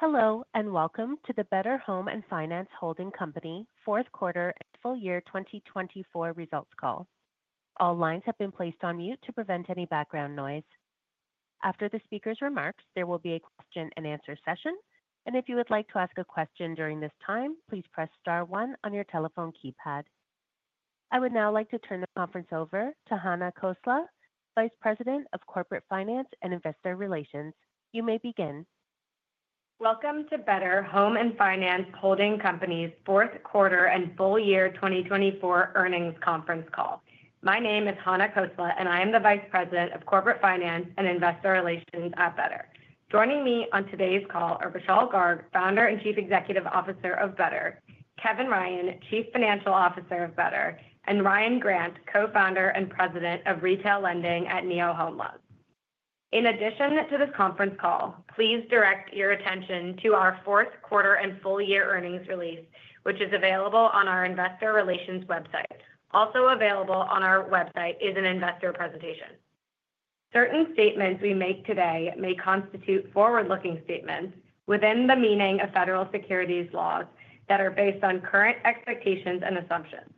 Hello, and welcome to the Better Home & Finance Holding Company fourth quarter and full year 2024 results call. All lines have been placed on mute to prevent any background noise. After the speaker's remarks, there will be a question-and-answer session, and if you would like to ask a question during this time, please press star one on your telephone keypad. I would now like to turn the conference over to Hana Khosla, Vice President of Corporate Finance and Investor Relations. You may begin. Welcome to Better Home & Finance Holding Company's fourth quarter and full year 2024 earnings conference call. My name is Hana Khosla, and I am the Vice President of Corporate Finance and Investor Relations at Better. Joining me on today's call are Vishal Garg, Founder and Chief Executive Officer of Better; Kevin Ryan, Chief Financial Officer of Better; and Ryan Grant, Co-Founder and President of Retail Lending at Neo Home Loans. In addition to this conference call, please direct your attention to our fourth quarter and full year earnings release, which is available on our Investor Relations website. Also available on our website is an investor presentation. Certain statements we make today may constitute forward-looking statements within the meaning of federal securities laws that are based on current expectations and assumptions.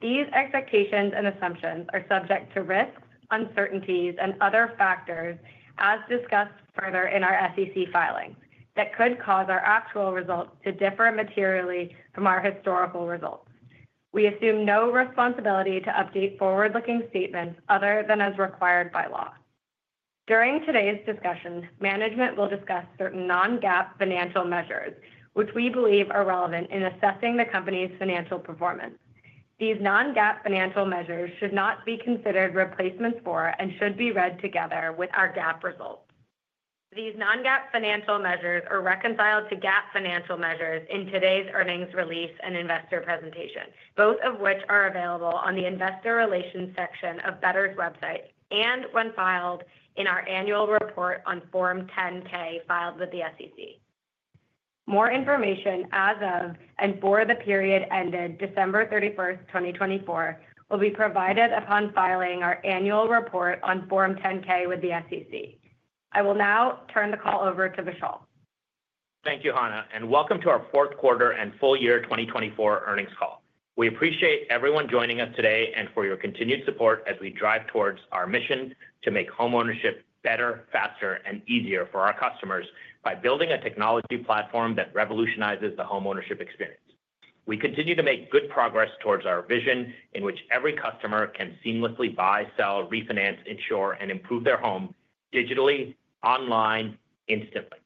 These expectations and assumptions are subject to risks, uncertainties, and other factors, as discussed further in our SEC filings, that could cause our actual results to differ materially from our historical results. We assume no responsibility to update forward-looking statements other than as required by law. During today's discussion, management will discuss certain non-GAAP financial measures, which we believe are relevant in assessing the company's financial performance. These non-GAAP financial measures should not be considered replacements for and should be read together with our GAAP results. These non-GAAP financial measures are reconciled to GAAP financial measures in today's earnings release and investor presentation, both of which are available on the Investor Relations section of Better's website and when filed in our annual report on Form 10-K filed with the SEC. More information as of and for the period ended December 31st, 2024, will be provided upon filing our annual report on Form 10-K with the SEC. I will now turn the call over to Vishal. Thank you, Hana, and welcome to our fourth quarter and full year 2024 earnings call. We appreciate everyone joining us today and for your continued support as we drive towards our mission to make homeownership better, faster, and easier for our customers by building a technology platform that revolutionizes the homeownership experience. We continue to make good progress towards our vision in which every customer can seamlessly buy, sell, refinance, insure, and improve their home digitally, online, instantly.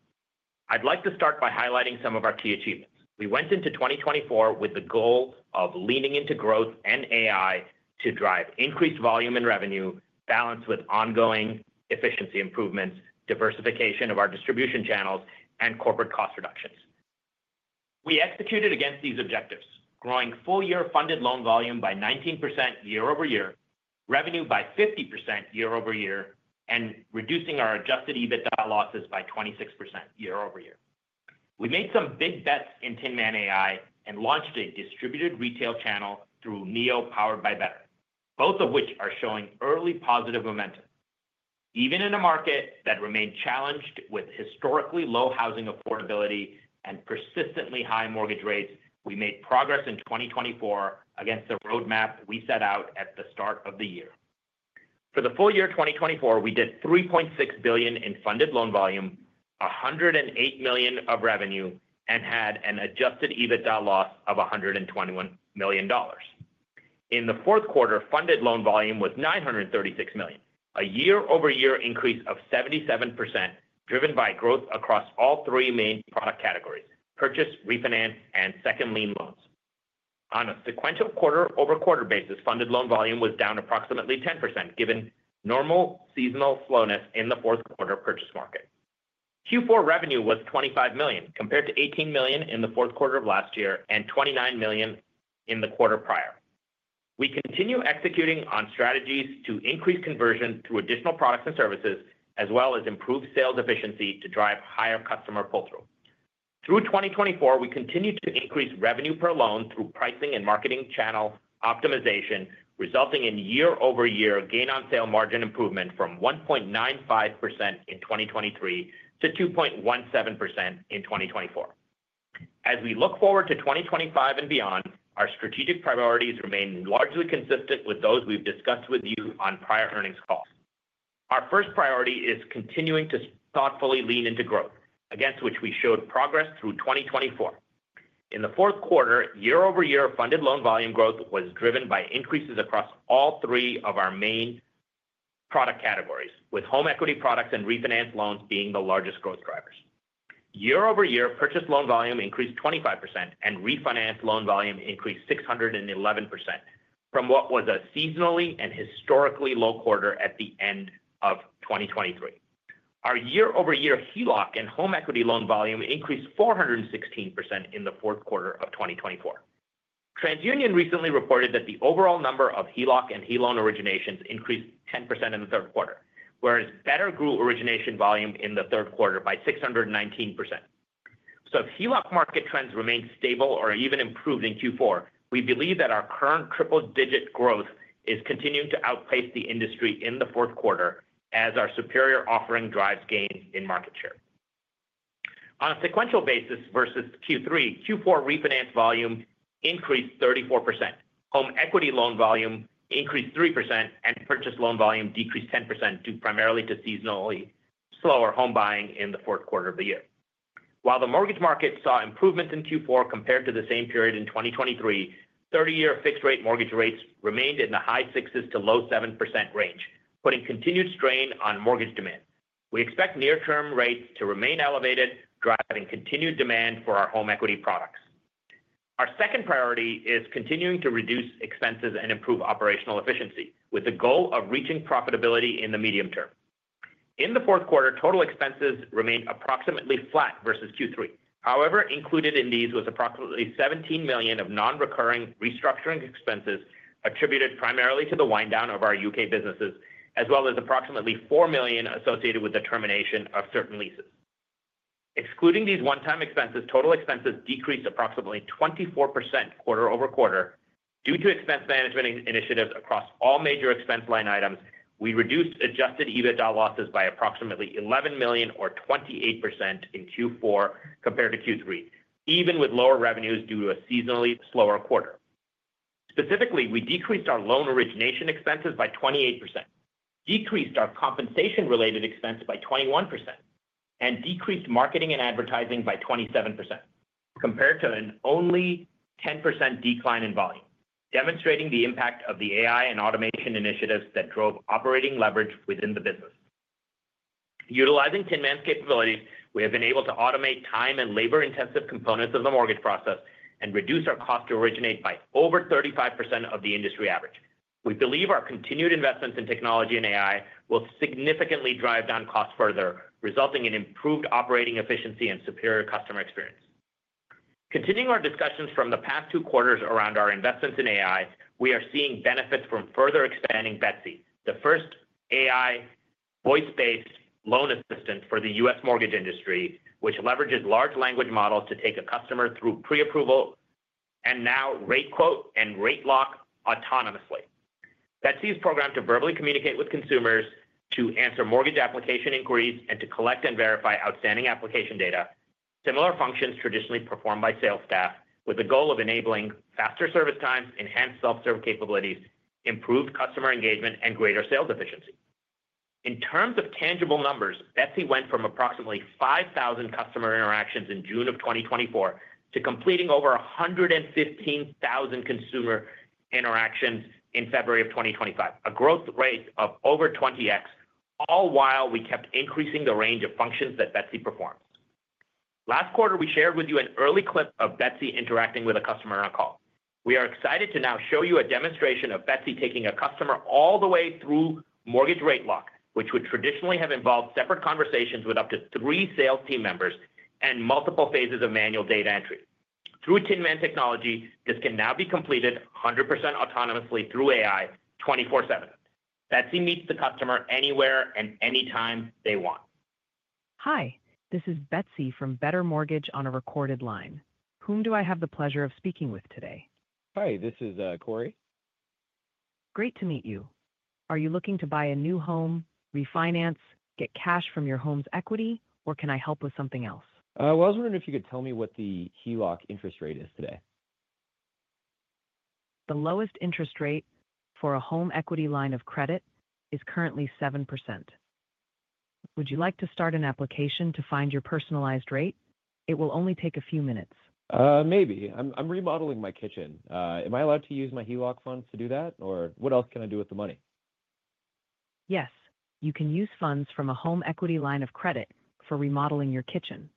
I'd like to start by highlighting some of our key achievements. We went into 2024 with the goal of leaning into growth and AI to drive increased volume and revenue balanced with ongoing efficiency improvements, diversification of our distribution channels, and corporate cost reductions. We executed against these objectives, growing full-year funded loan volume by 19% year-over- year, revenue by 50% year-over-year, and reducing our Adjusted EBITDA losses by 26% year-over-year. We made some big bets in Tin Man AI and launched a distributed retail channel through Neo powered by Better, both of which are showing early positive momentum. Even in a market that remained challenged with historically low housing affordability and persistently high mortgage rates, we made progress in 2024 against the roadmap we set out at the start of the year. For the full year 2024, we did $3.6 billion in funded loan volume, $108 million of revenue, and had an Adjusted EBITDA loss of $121 million. In the fourth quarter, funded loan volume was $936 million, a year-over-year increase of 77% driven by growth across all three main product categories: purchase, refinance, and second lien loans. On a sequential quarter-over-quarter basis, funded loan volume was down approximately 10%, given normal seasonal slowness in the fourth quarter purchase market. Q4 revenue was $25 million, compared to $18 million in the fourth quarter of last year and $29 million in the quarter prior. We continue executing on strategies to increase conversion through additional products and services, as well as improved sales efficiency to drive higher customer pull-through. Through 2024, we continue to increase revenue per loan through pricing and marketing channel optimization, resulting in year-over-year gain on sale margin improvement from 1.95% in 2023 to 2.17% in 2024. As we look forward to 2025 and beyond, our strategic priorities remain largely consistent with those we have discussed with you on prior earnings calls. Our first priority is continuing to thoughtfully lean into growth, against which we showed progress through 2024. In the fourth quarter, year-over-year funded loan volume growth was driven by increases across all three of our main product categories, with home equity products and refinance loans being the largest growth drivers. Year-over-year, purchase loan volume increased 25%, and refinance loan volume increased 611% from what was a seasonally and historically low quarter at the end of 2023. Our year-over-year HELOC and home equity loan volume increased 416% in the fourth quarter of 2024. TransUnion recently reported that the overall number of HELOC and HELOAN originations increased 10% in the third quarter, whereas Better grew origination volume in the third quarter by 619%. If HELOC market trends remain stable or even improved in Q4, we believe that our current triple-digit growth is continuing to outpace the industry in the fourth quarter, as our superior offering drives gains in market share. On a sequential basis versus Q3, Q4 refinance volume increased 34%, home equity loan volume increased 3%, and purchase loan volume decreased 10% primarily due to seasonally slower home buying in the fourth quarter of the year. While the mortgage market saw improvements in Q4 compared to the same period in 2023, 30-year fixed-rate mortgage rates remained in the high 6s to low 7% range, putting continued strain on mortgage demand. We expect near-term rates to remain elevated, driving continued demand for our home equity products. Our second priority is continuing to reduce expenses and improve operational efficiency, with the goal of reaching profitability in the medium term. In the fourth quarter, total expenses remained approximately flat versus Q3. However, included in these was approximately $17 million of non-recurring restructuring expenses attributed primarily to the wind-down of our U.K. businesses, as well as approximately $4 million associated with the termination of certain leases. Excluding these one-time expenses, total expenses decreased approximately 24% quarter-over-quarter. Due to expense management initiatives across all major expense line items, we reduced Adjusted EBITDA losses by approximately $11 million, or 28%, in Q4 compared to Q3, even with lower revenues due to a seasonally slower quarter. Specifically, we decreased our loan origination expenses by 28%, decreased our compensation-related expense by 21%, and decreased marketing and advertising by 27%, compared to an only 10% decline in volume, demonstrating the impact of the AI and automation initiatives that drove operating leverage within the business. Utilizing Tin Man's capabilities, we have been able to automate time and labor-intensive components of the mortgage process and reduce our cost to originate by over 35% of the industry average. We believe our continued investments in technology and AI will significantly drive down costs further, resulting in improved operating efficiency and superior customer experience. Continuing our discussions from the past two quarters around our investments in AI, we are seeing benefits from further expanding Betsy, the first AI voice-based loan assistant for the US mortgage industry, which leverages large language models to take a customer through pre-approval and now rate quote and rate lock autonomously. Betsy is programmed to verbally communicate with consumers, to answer mortgage application inquiries, and to collect and verify outstanding application data, similar functions traditionally performed by sales staff, with the goal of enabling faster service times, enhanced self-serve capabilities, improved customer engagement, and greater sales efficiency. In terms of tangible numbers, Betsy went from approximately 5,000 customer interactions in June of 2024 to completing over 115,000 consumer interactions in February of 2025, a growth rate of over 20x, all while we kept increasing the range of functions that Betsy performs. Last quarter, we shared with you an early clip of Betsy interacting with a customer on a call. We are excited to now show you a demonstration of Betsy taking a customer all the way through mortgage rate lock, which would traditionally have involved separate conversations with up to three sales team members and multiple phases of manual data entry. Through Tin Man technology, this can now be completed 100% autonomously through AI 24/7. Betsy meets the customer anywhere and anytime they want. Hi, this is Betsy from Better Mortgage on a recorded line. Whom do I have the pleasure of speaking with today? Hi, this is Corey. Great to meet you. Are you looking to buy a new home, refinance, get cash from your home's equity, or can I help with something else? I was wondering if you could tell me what the HELOC interest rate is today. The lowest interest rate for a home equity line of credit is currently 7%. Would you like to start an application to find your personalized rate? It will only take a few minutes. Maybe. I'm remodeling my kitchen. Am I allowed to use my HELOC funds to do that, or what else can I do with the money? Yes, you can use funds from a home equity line of credit for remodeling your kitchen.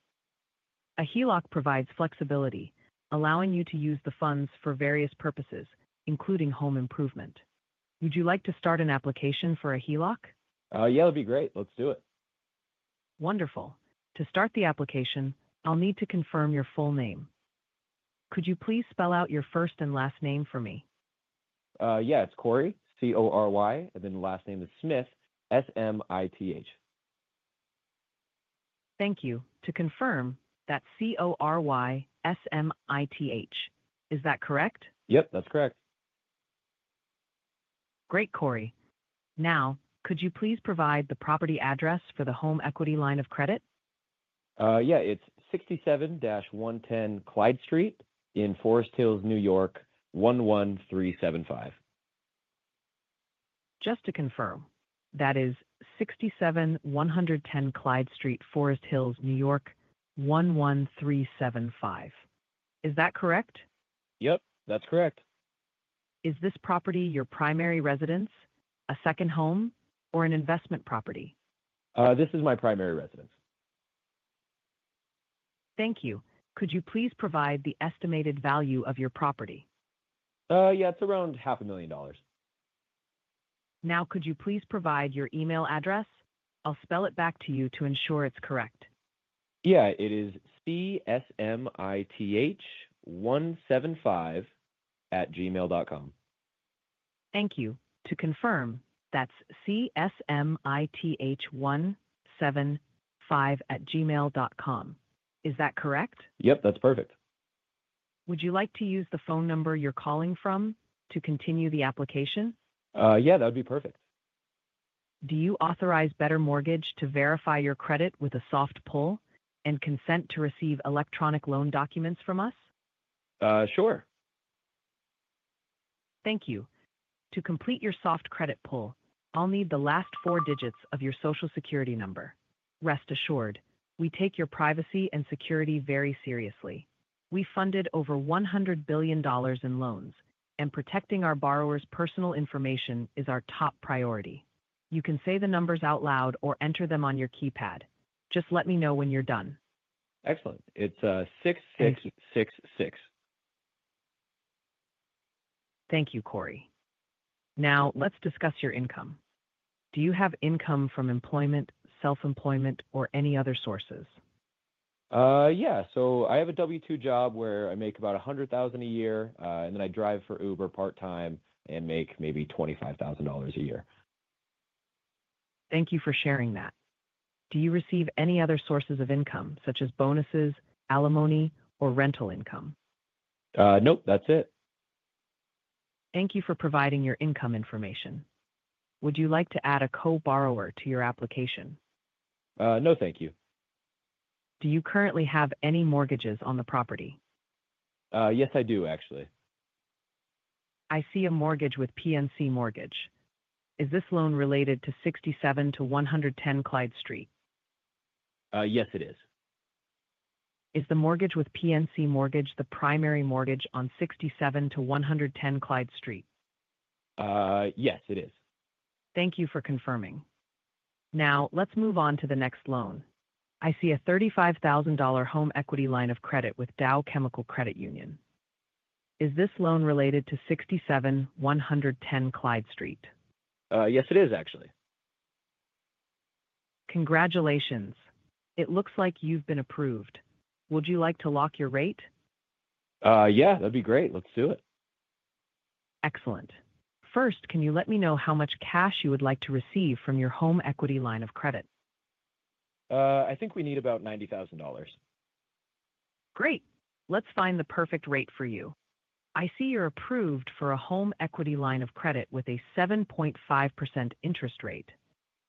A HELOC provides flexibility, allowing you to use the funds for various purposes, including home improvement. Would you like to start an application for a HELOC? Yeah, that'd be great. Let's do it. Wonderful. To start the application, I'll need to confirm your full name. Could you please spell out your first and last name for me? Yeah, it's Corey, C-O-R-Y, and then the last name is Smith, S-M-I-T-H. Thank you. To confirm, that's C-O-R-Y, S-M-I-T-H. Is that correct? Yep, that's correct. Great, Corey. Now, could you please provide the property address for the home equity line of credit? Yeah, it's 67-110 Clyde Street in Forest Hills, New York 11375. Just to confirm, that is 67-110 Clyde Street, Forest Hills, New York 11375. Is that correct? Yep, that's correct. Is this property your primary residence, a second home, or an investment property? This is my primary residence. Thank you. Could you please provide the estimated value of your property? Yeah, it's around $500,000. Now, could you please provide your email address? I'll spell it back to you to ensure it's correct. Yeah, it is csmith175@gmail.com. Thank you. To confirm, that's csmith175@gmail.com. Is that correct? Yep, that's perfect. Would you like to use the phone number you're calling from to continue the application? Yeah, that would be perfect. Do you authorize Better Mortgage to verify your credit with a soft pull and consent to receive electronic loan documents from us? Sure. Thank you. To complete your soft credit pull, I'll need the last four digits of your Social Security number. Rest assured, we take your privacy and security very seriously. We funded over $100 billion in loans, and protecting our borrowers' personal information is our top priority. You can say the numbers out loud or enter them on your keypad. Just let me know when you're done. Excellent. It's 6-6-6-6. Thank you, Corey. Now, let's discuss your income. Do you have income from employment, self-employment, or any other sources? Yeah, so I have a W-2 job where I make about $100,000 a year, and then I drive for Uber part-time and make maybe $25,000 a year. Thank you for sharing that. Do you receive any other sources of income, such as bonuses, alimony, or rental income? Nope, that's it. Thank you for providing your income information. Would you like to add a co-borrower to your application? No, thank you. Do you currently have any mortgages on the property? Yes, I do, actually. I see a mortgage with PNC Mortgage. Is this loan related to 67-110 Clyde Street? Yes, it is. Is the mortgage with PNC Mortgage the primary mortgage on 67-110 Clyde Street? Yes, it is. Thank you for confirming. Now, let's move on to the next loan. I see a $35,000 home equity line of credit with Dow Chemical Credit Union. Is this loan related to 67-110 Clyde Street? Yes, it is, actually. Congratulations. It looks like you've been approved. Would you like to lock your rate? Yeah, that'd be great. Let's do it. Excellent. First, can you let me know how much cash you would like to receive from your home equity line of credit? I think we need about $90,000. Great. Let's find the perfect rate for you. I see you're approved for a home equity line of credit with a 7.5% interest rate.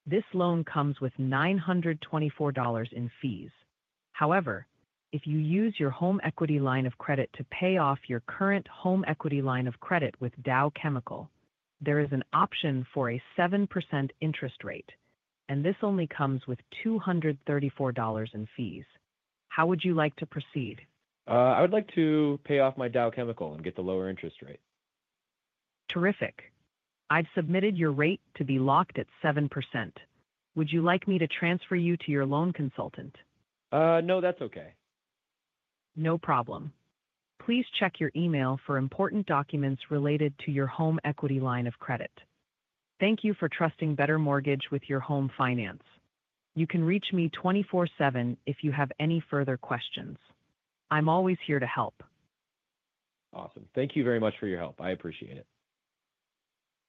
This loan comes with $924 in fees. However, if you use your home equity line of credit to pay off your current home equity line of credit with Dow Chemical Credit Union, there is an option for a 7% interest rate, and this only comes with $234 in fees. How would you like to proceed? I would like to pay off my Dow Chemical and get the lower interest rate. Terrific. I've submitted your rate to be locked at 7%. Would you like me to transfer you to your loan consultant? No, that's okay. No problem. Please check your email for important documents related to your home equity line of credit. Thank you for trusting Better Mortgage with your home finance. You can reach me 24/7 if you have any further questions. I'm always here to help. Awesome. Thank you very much for your help. I appreciate it.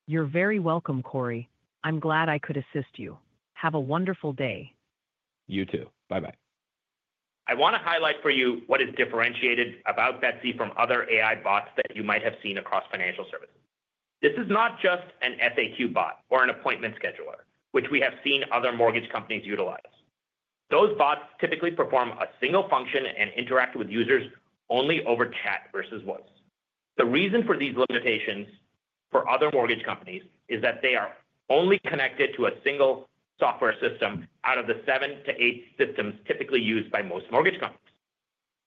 You're very welcome, Corey. I'm glad I could assist you. Have a wonderful day. You too. Bye-bye. I want to highlight for you what is differentiated about Betsy from other AI bots that you might have seen across financial services. This is not just an FAQ bot or an appointment scheduler, which we have seen other mortgage companies utilize. Those bots typically perform a single function and interact with users only over chat versus voice. The reason for these limitations for other mortgage companies is that they are only connected to a single software system out of the seven to eight systems typically used by most mortgage companies.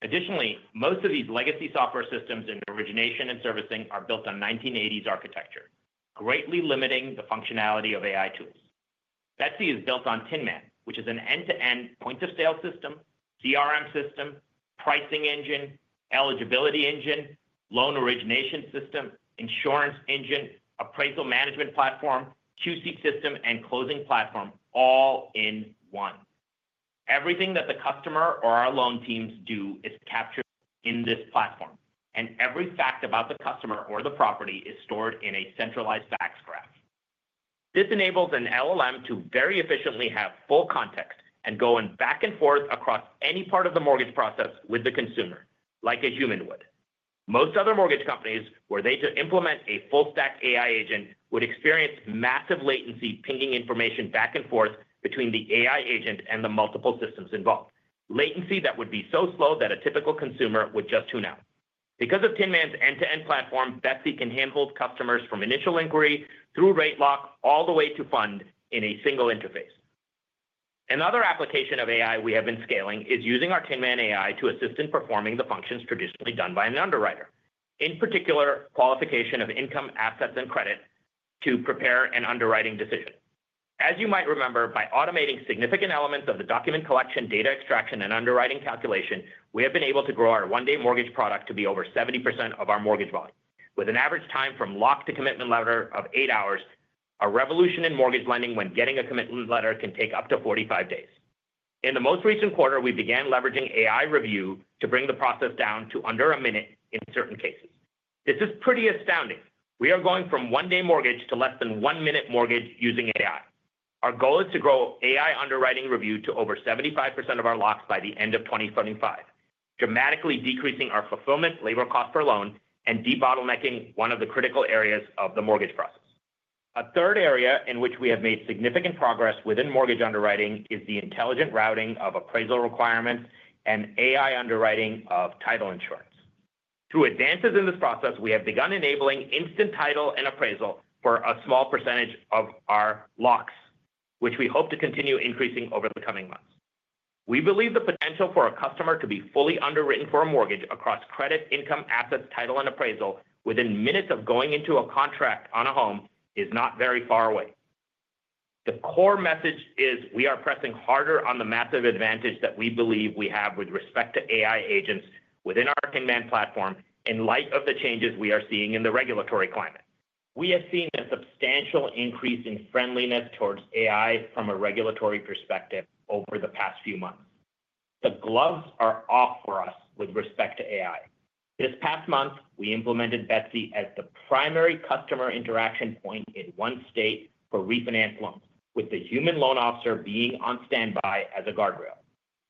Additionally, most of these legacy software systems in origination and servicing are built on 1980s architecture, greatly limiting the functionality of AI tools. Betsy is built on Tin Man, which is an end-to-end point-of-sale system, CRM system, pricing engine, eligibility engine, loan origination system, insurance engine, appraisal management platform, QC system, and closing platform, all in one. Everything that the customer or our loan teams do is captured in this platform, and every fact about the customer or the property is stored in a centralized facts graph. This enables an LLM to very efficiently have full context and go back and forth across any part of the mortgage process with the consumer, like a human would. Most other mortgage companies, were they to implement a full-stack AI agent, would experience massive latency pinging information back and forth between the AI agent and the multiple systems involved, latency that would be so slow that a typical consumer would just tune out. Because of Tin Man's end-to-end platform, Betsy can handle customers from initial inquiry through rate lock all the way to fund in a single interface. Another application of AI we have been scaling is using our Tin Man AI to assist in performing the functions traditionally done by an underwriter, in particular, qualification of income, assets, and credit to prepare an underwriting decision. As you might remember, by automating significant elements of the document collection, data extraction, and underwriting calculation, we have been able to grow our one-day mortgage product to be over 70% of our mortgage volume. With an average time from lock to commitment letter of eight hours, a revolution in mortgage lending when getting a commitment letter can take up to 45 days. In the most recent quarter, we began leveraging AI review to bring the process down to under a minute in certain cases. This is pretty astounding. We are going from one-day mortgage to less than one-minute mortgage using AI. Our goal is to grow AI underwriting review to over 75% of our locks by the end of 2025, dramatically decreasing our fulfillment labor cost per loan and debottlenecking one of the critical areas of the mortgage process. A third area in which we have made significant progress within mortgage underwriting is the intelligent routing of appraisal requirements and AI underwriting of title insurance. Through advances in this process, we have begun enabling instant title and appraisal for a small percentage of our locks, which we hope to continue increasing over the coming months. We believe the potential for a customer to be fully underwritten for a mortgage across credit, income, assets, title, and appraisal within minutes of going into a contract on a home is not very far away. The core message is we are pressing harder on the massive advantage that we believe we have with respect to AI agents within our Tin Man platform in light of the changes we are seeing in the regulatory climate. We have seen a substantial increase in friendliness towards AI from a regulatory perspective over the past few months. The gloves are off for us with respect to AI. This past month, we implemented Betsy as the primary customer interaction point in one state for refinance loans, with the human loan officer being on standby as a guardrail.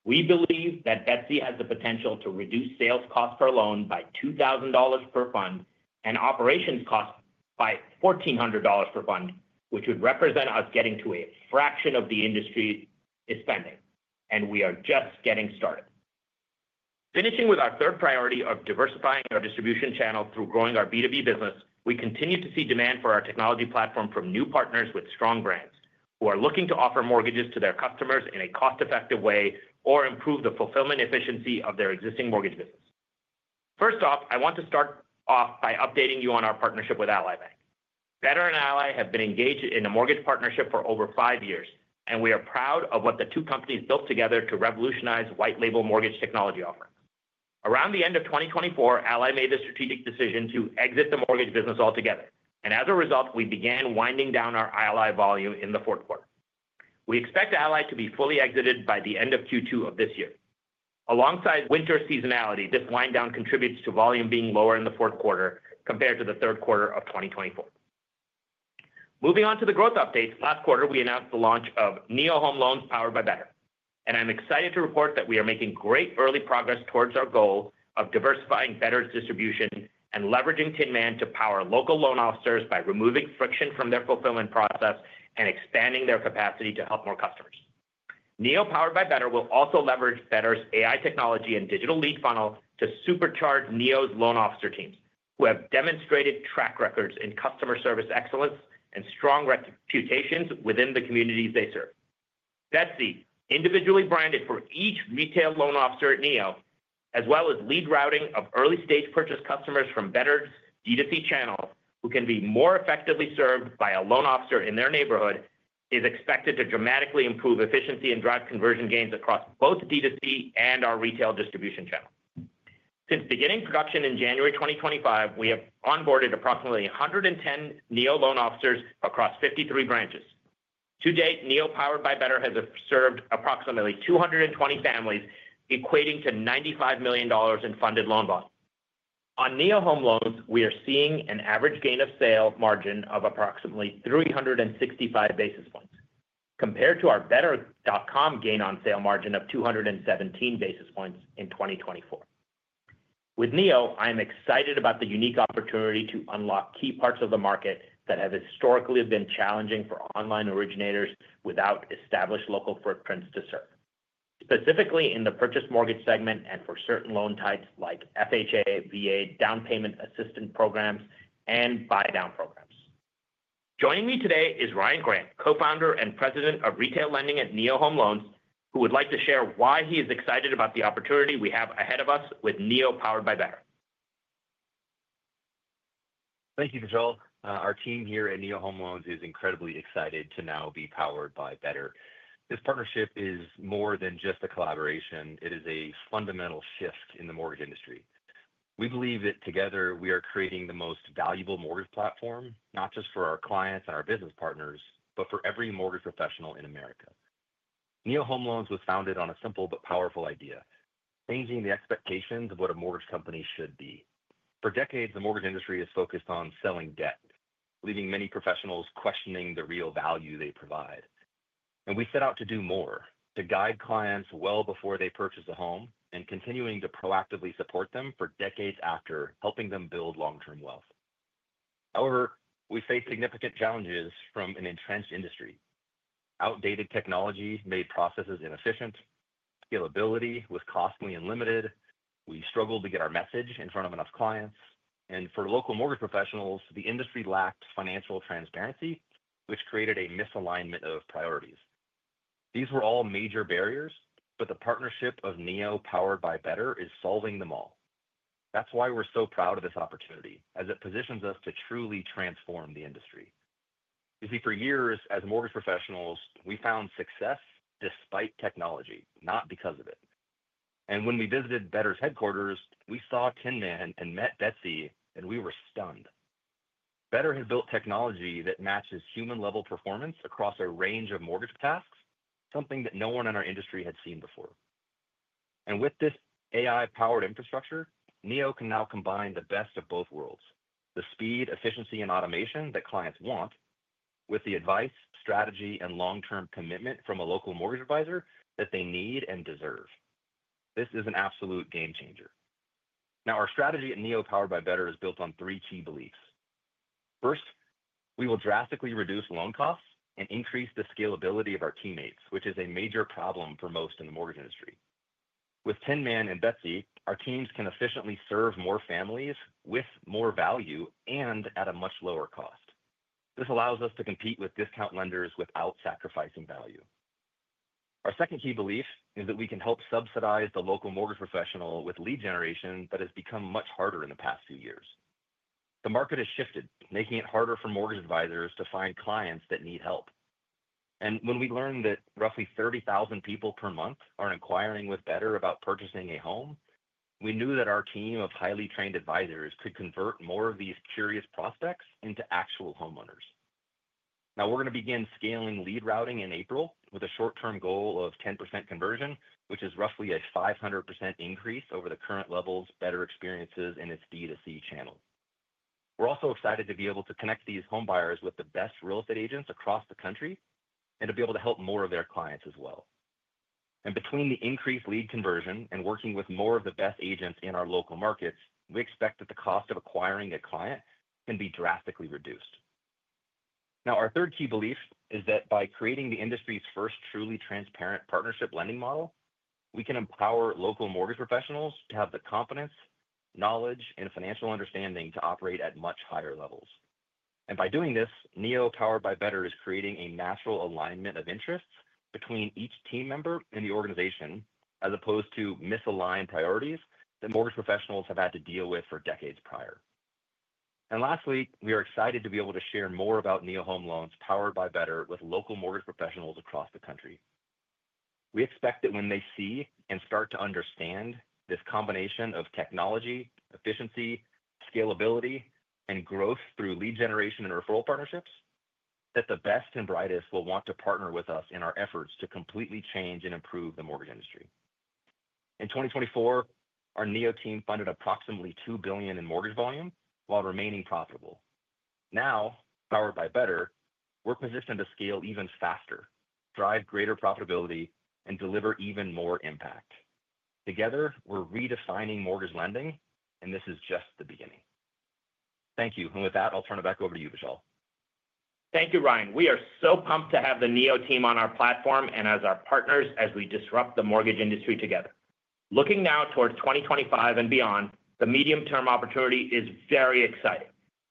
We believe that Betsy has the potential to reduce sales cost per loan by $2,000 per fund and operations cost by $1,400 per fund, which would represent us getting to a fraction of the industry's spending, and we are just getting started. Finishing with our third priority of diversifying our distribution channel through growing our B2B business, we continue to see demand for our technology platform from new partners with strong brands who are looking to offer mortgages to their customers in a cost-effective way or improve the fulfillment efficiency of their existing mortgage business. First off, I want to start off by updating you on our partnership with Ally Bank. Better and Ally have been engaged in a mortgage partnership for over five years, and we are proud of what the two companies built together to revolutionize white-label mortgage technology offerings. Around the end of 2024, Ally made the strategic decision to exit the mortgage business altogether, and as a result, we began winding down our Ally volume in the fourth quarter. We expect Ally to be fully exited by the end of Q2 of this year. Alongside winter seasonality, this wind down contributes to volume being lower in the fourth quarter compared to the third quarter of 2024. Moving on to the growth updates, last quarter, we announced the launch of Neo Home Loans powered by Better, and I'm excited to report that we are making great early progress towards our goal of diversifying Better's distribution and leveraging Tin Man to power local loan officers by removing friction from their fulfillment process and expanding their capacity to help more customers. Neo Powered by Better will also leverage Better's AI technology and digital lead funnel to supercharge Neo's loan officer teams who have demonstrated track records in customer service excellence and strong reputations within the communities they serve. Betsy, individually branded for each retail loan officer at Neo, as well as lead routing of early-stage purchase customers from Better's D2C channel who can be more effectively served by a loan officer in their neighborhood, is expected to dramatically improve efficiency and drive conversion gains across both D2C and our retail distribution channel. Since beginning production in January 2025, we have onboarded approximately 110 Neo loan officers across 53 branches. To date, Neo Powered by Better has served approximately 220 families, equating to $95 million in funded loan volume. On Neo Home Loans, we are seeing an average gain on sale margin of approximately 365 basis points compared to our Better.com gain on sale margin of 217 basis points in 2024. With Neo, I am excited about the unique opportunity to unlock key parts of the market that have historically been challenging for online originators without established local footprints to serve, specifically in the purchase mortgage segment and for certain loan types like FHA, VA, down payment assistance programs, and buy-down programs. Joining me today is Ryan Grant, Co-Founder and President of Retail Lending at Neo Home Loans, who would like to share why he is excited about the opportunity we have ahead of us with Neo Powered by Better. Thank you, Vishal. Our team here at Neo Home Loans is incredibly excited to now be powered by Better. This partnership is more than just a collaboration. It is a fundamental shift in the mortgage industry. We believe that together we are creating the most valuable mortgage platform, not just for our clients and our business partners, but for every mortgage professional in America. Neo Home Loans was founded on a simple but powerful idea: changing the expectations of what a mortgage company should be. For decades, the mortgage industry has focused on selling debt, leaving many professionals questioning the real value they provide. We set out to do more: to guide clients well before they purchase a home and continuing to proactively support them for decades after, helping them build long-term wealth. However, we face significant challenges from an entrenched industry. Outdated technology made processes inefficient, scalability was costly and limited, we struggled to get our message in front of enough clients, and for local mortgage professionals, the industry lacked financial transparency, which created a misalignment of priorities. These were all major barriers, but the partnership of Neo Powered by Better is solving them all. That is why we are so proud of this opportunity, as it positions us to truly transform the industry. You see, for years as mortgage professionals, we found success despite technology, not because of it. When we visited Better's headquarters, we saw Tin Man and met Betsy, and we were stunned. Better has built technology that matches human-level performance across a range of mortgage tasks, something that no one in our industry had seen before. With this AI-powered infrastructure, Neo can now combine the best of both worlds: the speed, efficiency, and automation that clients want, with the advice, strategy, and long-term commitment from a local mortgage advisor that they need and deserve. This is an absolute game changer. Now, our strategy at Neo Powered by Better is built on three key beliefs. First, we will drastically reduce loan costs and increase the scalability of our teammates, which is a major problem for most in the mortgage industry. With Tin Man and Betsy, our teams can efficiently serve more families with more value and at a much lower cost. This allows us to compete with discount lenders without sacrificing value. Our second key belief is that we can help subsidize the local mortgage professional with lead generation that has become much harder in the past few years. The market has shifted, making it harder for mortgage advisors to find clients that need help. When we learned that roughly 30,000 people per month are inquiring with Better about purchasing a home, we knew that our team of highly trained advisors could convert more of these curious prospects into actual homeowners. We are going to begin scaling lead routing in April with a short-term goal of 10% conversion, which is roughly a 500% increase over the current level Better experiences in its D2C channel. We are also excited to be able to connect these homebuyers with the best real estate agents across the country and to be able to help more of their clients as well. Between the increased lead conversion and working with more of the best agents in our local markets, we expect that the cost of acquiring a client can be drastically reduced. Now, our third key belief is that by creating the industry's first truly transparent partnership lending model, we can empower local mortgage professionals to have the confidence, knowledge, and financial understanding to operate at much higher levels. By doing this, Neo Powered by Better is creating a natural alignment of interests between each team member in the organization, as opposed to misaligned priorities that mortgage professionals have had to deal with for decades prior. Lastly, we are excited to be able to share more about Neo Home Loans powered by Better with local mortgage professionals across the country. We expect that when they see and start to understand this combination of technology, efficiency, scalability, and growth through lead generation and referral partnerships, the best and brightest will want to partner with us in our efforts to completely change and improve the mortgage industry. In 2024, our Neo team funded approximately $2 billion in mortgage volume while remaining profitable. Now, powered by Better, we're positioned to scale even faster, drive greater profitability, and deliver even more impact. Together, we're redefining mortgage lending, and this is just the beginning. Thank you. With that, I'll turn it back over to you, Vishal. Thank you, Ryan. We are so pumped to have the Neo team on our platform and as our partners as we disrupt the mortgage industry together. Looking now towards 2025 and beyond, the medium-term opportunity is very exciting.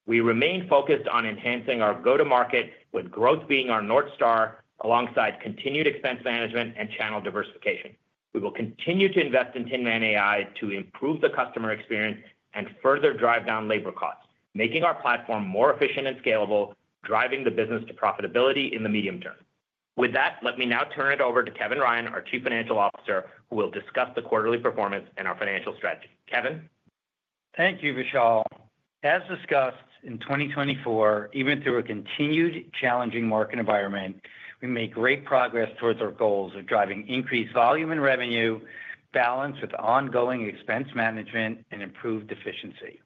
We remain focused on enhancing our go-to-market, with growth being our North Star, alongside continued expense management and channel diversification. We will continue to invest in Tin Man AI to improve the customer experience and further drive down labor costs, making our platform more efficient and scalable, driving the business to profitability in the medium term. With that, let me now turn it over to Kevin Ryan, our Chief Financial Officer, who will discuss the quarterly performance and our financial strategy. Kevin. Thank you, Vishal. As discussed, in 2024, even through a continued challenging market environment, we made great progress towards our goals of driving increased volume and revenue, balanced with ongoing expense management and improved efficiency.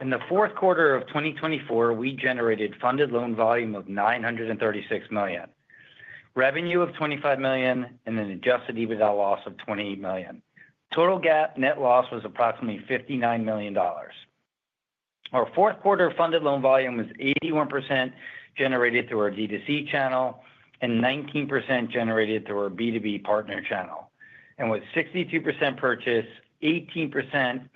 In the fourth quarter of 2024, we generated funded loan volume of $936 million, revenue of $25 million, and an Adjusted EBITDA loss of $28 million. Total GAAP net loss was approximately $59 million. Our fourth quarter funded loan volume was 81% generated through our D2C channel and 19% generated through our B2B partner channel. With 62% purchase, 18%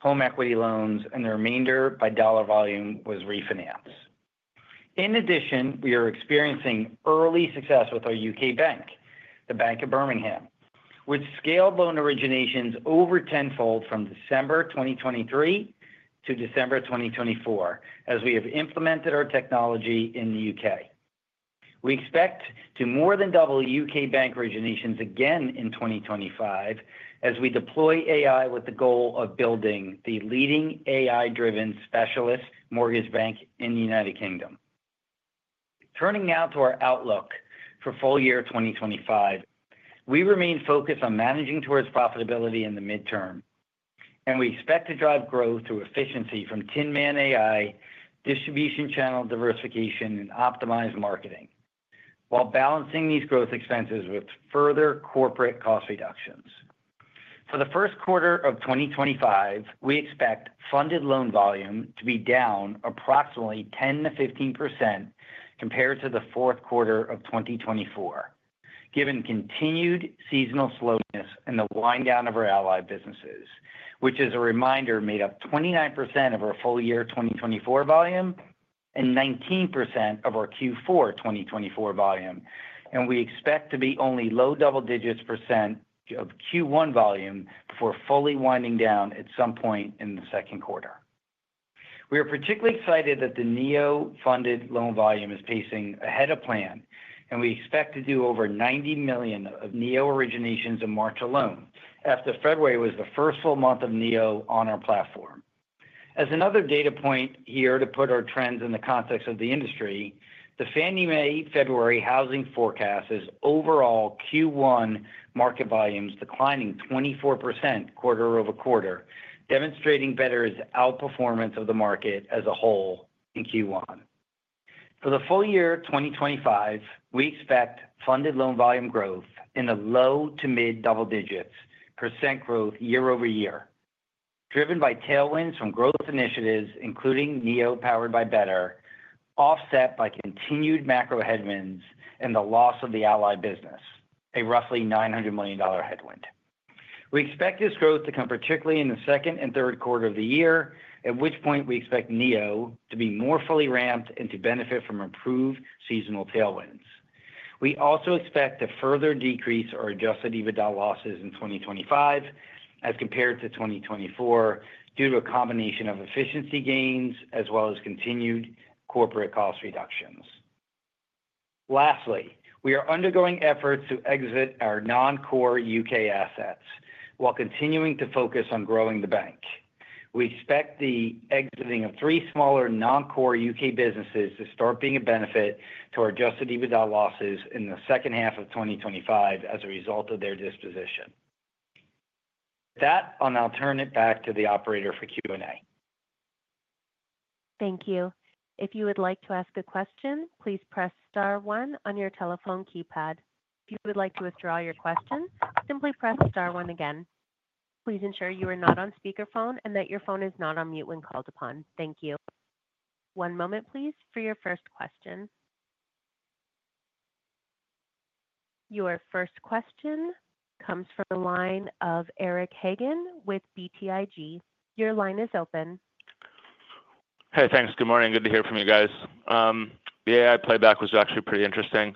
home equity loans, and the remainder by dollar volume was refinance. In addition, we are experiencing early success with our U.K. bank, the Bank of Birmingham, which scaled loan originations over tenfold from December 2023 to December 2024 as we have implemented our technology in the U.K. We expect to more than double U.K. bank originations again in 2025 as we deploy AI with the goal of building the leading AI-driven specialist mortgage bank in the United Kingdom. Turning now to our outlook for full year 2025, we remain focused on managing towards profitability in the midterm, and we expect to drive growth through efficiency from Tin Man AI, distribution channel diversification, and optimized marketing, while balancing these growth expenses with further corporate cost reductions. For the first quarter of 2025, we expect funded loan volume to be down approximately 10-15% compared to the fourth quarter of 2024, given continued seasonal slowness and the wind down of our Ally businesses, which is a reminder made up 29% of our full year 2024 volume and 19% of our Q4 2024 volume, and we expect to be only low double digits percent of Q1 volume before fully winding down at some point in the second quarter. We are particularly excited that the Neo funded loan volume is pacing ahead of plan, and we expect to do over $90 million of Neo originations in March alone after February was the first full month of Neo on our platform. As another data point here to put our trends in the context of the industry, the Fannie Mae February housing forecast is overall Q1 market volumes declining 24% quarter-over-quarter, demonstrating Better's outperformance of the market as a whole in Q1. For the full year 2025, we expect funded loan volume growth in the low to mid double digits % growth year-over-year, driven by tailwinds from growth initiatives, including Neo Powered by Better, offset by continued macro headwinds and the loss of the Ally business, a roughly $900 million headwind. We expect this growth to come particularly in the second and third quarter of the year, at which point we expect Neo to be more fully ramped and to benefit from improved seasonal tailwinds. We also expect to further decrease our Adjusted EBITDA losses in 2025 as compared to 2024 due to a combination of efficiency gains as well as continued corporate cost reductions. Lastly, we are undergoing efforts to exit our non-core U.K. assets while continuing to focus on growing the bank. We expect the exiting of three smaller non-core U.K. businesses to start being a benefit to our Adjusted EBITDA losses in the second half of 2025 as a result of their disposition. With that, I'll now turn it back to the operator for Q&A. Thank you. If you would like to ask a question, please press star one on your telephone keypad. If you would like to withdraw your question, simply press star one again. Please ensure you are not on speakerphone and that your phone is not on mute when called upon. Thank you. One moment, please, for your first question. Your first question comes from the line of Eric Hagen with BTIG. Your line is open. Hey, thanks. Good morning. Good to hear from you guys. The AI playback was actually pretty interesting.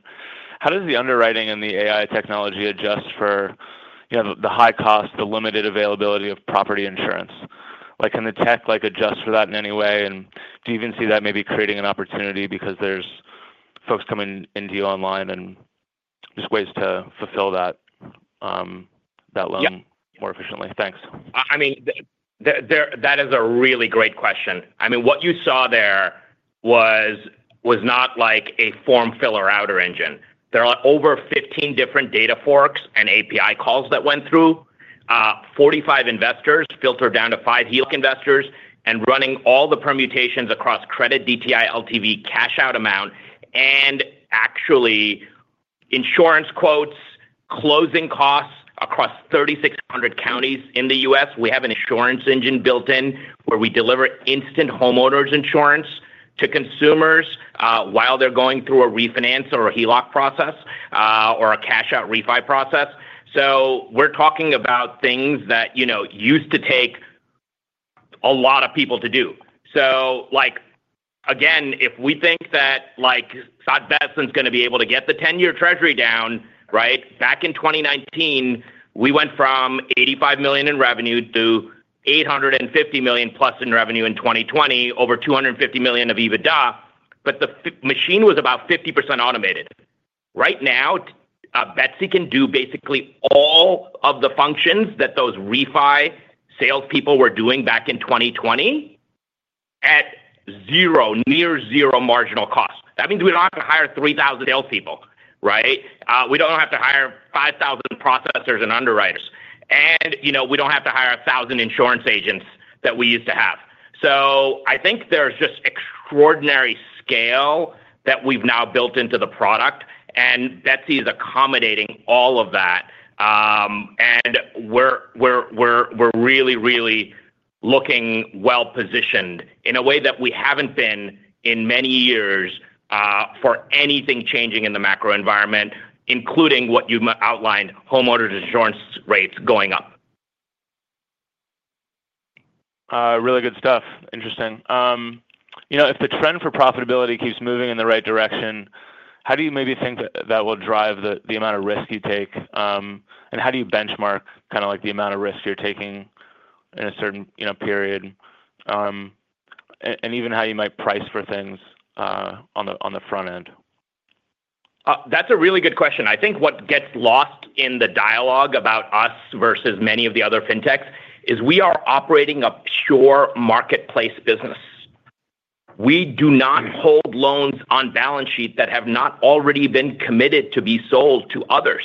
How does the underwriting and the AI technology adjust for the high cost, the limited availability of property insurance? Can the tech adjust for that in any way? Do you even see that maybe creating an opportunity because there's folks coming into you online and just ways to fulfill that loan more efficiently? Thanks. I mean, that is a really great question. I mean, what you saw there was not like a form filler router engine. There are over 15 different data forks and API calls that went through. Forty-five investors filtered down to five HELOC investors and running all the permutations across credit, DTI, LTV, cash-out amount, and actually insurance quotes, closing costs across 3,600 counties in the U.S. We have an insurance engine built in where we deliver instant homeowners insurance to consumers while they're going through a refinance or a HELOC process or a cash-out refund process. We are talking about things that used to take a lot of people to do. Again, if we think that Scott Bessent's going to be able to get the 10-year treasury down, right? Back in 2019, we went from $85 million in revenue to $850 million-plus in revenue in 2020, over $250 million of EBITDA, but the machine was about 50% automated. Right now, Betsy can do basically all of the functions that those refi and salespeople were doing back in 2020 at zero, near zero marginal cost. That means we don't have to hire 3,000 salespeople, right? We don't have to hire 5,000 processors and underwriters. We don't have to hire 1,000 insurance agents that we used to have. I think there's just extraordinary scale that we've now built into the product, and Betsy is accommodating all of that. We're really, really looking well-positioned in a way that we haven't been in many years for anything changing in the macro environment, including what you outlined, homeowners insurance rates going up. Really good stuff. Interesting. If the trend for profitability keeps moving in the right direction, how do you maybe think that will drive the amount of risk you take? How do you benchmark kind of like the amount of risk you're taking in a certain period? Even how you might price for things on the front end? That's a really good question. I think what gets lost in the dialogue about us versus many of the other fintechs is we are operating a pure marketplace business. We do not hold loans on balance sheet that have not already been committed to be sold to others.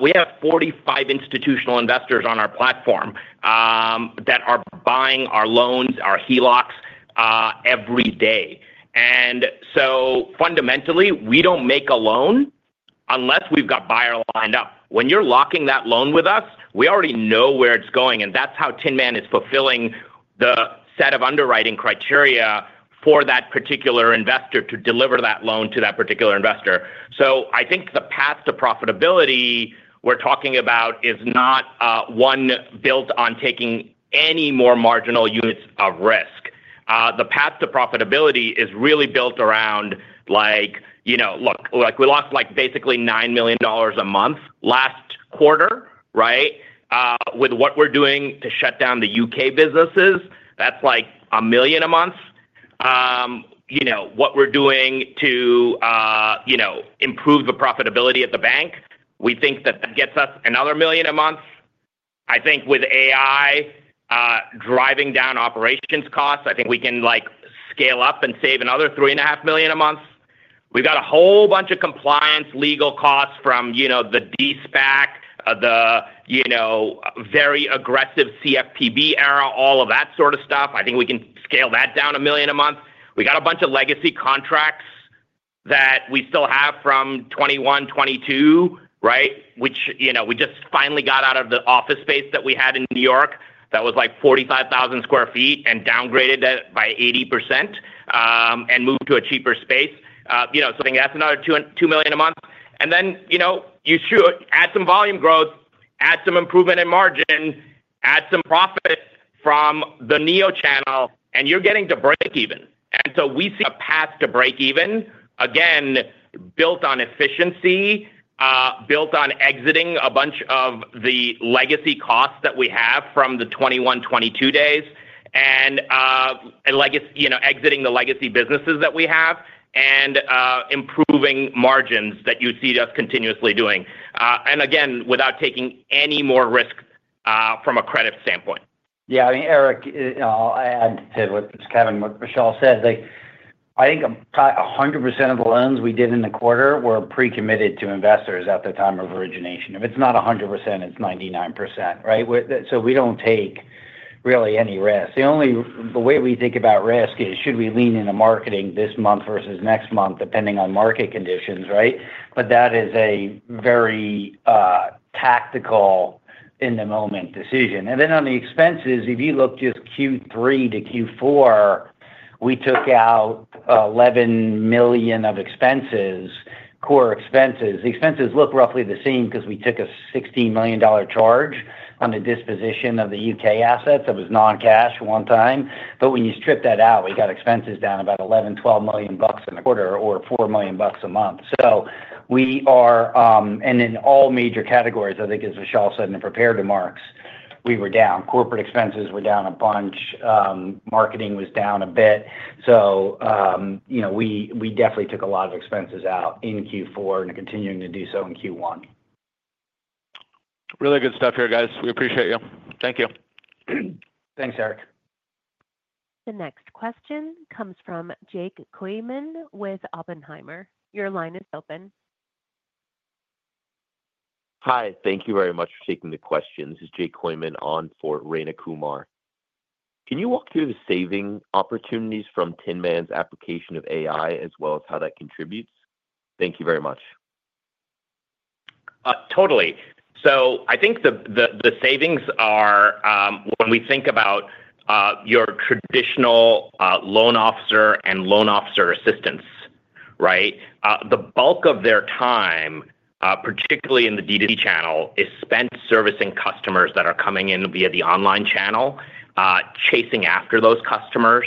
We have 45 institutional investors on our platform that are buying our loans, our HELOCs every day. Fundamentally, we don't make a loan unless we've got buyer lined up. When you're locking that loan with us, we already know where it's going. That's how Tin Man is fulfilling the set of underwriting criteria for that particular investor to deliver that loan to that particular investor. I think the path to profitability we're talking about is not one built on taking any more marginal units of risk. The path to profitability is really built around, like, look, we lost basically $9 million a month last quarter, right? With what we're doing to shut down the U.K. businesses, that's like $1 million a month. What we're doing to improve the profitability at the bank, we think that that gets us another $1 million a month. I think with AI driving down operations costs, I think we can scale up and save another $3.5 million a month. We've got a whole bunch of compliance legal costs from the de-SPAC, the very aggressive CFPB era, all of that sort of stuff. I think we can scale that down $1 million a month. We got a bunch of legacy contracts that we still have from 2021, 2022, right? Which we just finally got out of the office space that we had in New York that was like 45,000 sq ft and downgraded that by 80% and moved to a cheaper space. I think that's another $2 million a month. You add some volume growth, add some improvement in margin, add some profit from the Neo channel, and you're getting to break even. We see a path to break even, again, built on efficiency, built on exiting a bunch of the legacy costs that we have from the 2021, 2022 days, and exiting the legacy businesses that we have and improving margins that you see us continuously doing. Again, without taking any more risk from a credit standpoint. Yeah. I mean, Eric, I'll add it Kevin, Vishal said. I think 100% of the loans we did in the quarter were pre-committed to investors at the time of origination. If it's not 100%, it's 99%, right? So we don't take really any risk. The way we think about risk is should we lean into marketing this month versus next month depending on market conditions, right? That is a very tactical in-the-moment decision. On the expenses, if you look just Q3 to Q4, we took out $11 million of expenses, core expenses. The expenses look roughly the same because we took a $16 million charge on the disposition of the U.K. assets that was non-cash one time. When you strip that out, we got expenses down about $11 million to $12 million in a quarter or $4 million a month. We are, and in all major categories, I think, as Vishal said in the prepared remarks, we were down. Corporate expenses were down a bunch. Marketing was down a bit. We definitely took a lot of expenses out in Q4 and are continuing to do so in Q1. Really good stuff here, guys. We appreciate you. Thank you. Thanks, Eric. The next question comes from Jake Kooyman with Oppenheimer. Your line is open. Hi. Thank you very much for taking the question. This is Jake Kooyman on for Rayna Kumar. Can you walk through the saving opportunities from Tin Man's application of AI as well as how that contributes? Thank you very much. Totally. I think the savings are when we think about your traditional loan officer and loan officer assistants, right? The bulk of their time, particularly in the D2C channel, is spent servicing customers that are coming in via the online channel, chasing after those customers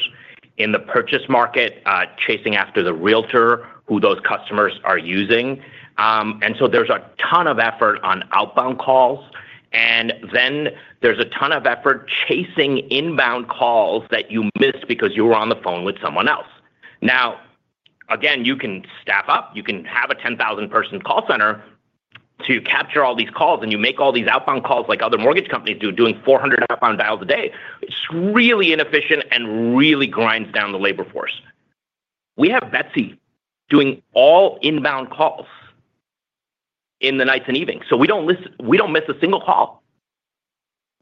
in the purchase market, chasing after the realtor who those customers are using. There is a ton of effort on outbound calls. There is a ton of effort chasing inbound calls that you missed because you were on the phone with someone else. You can staff up. You can have a 10,000-person call center to capture all these calls, and you make all these outbound calls like other mortgage companies do, doing 400 outbound dials a day. It is really inefficient and really grinds down the labor force. We have Betsy doing all inbound calls in the nights and evenings. We do not miss a single call.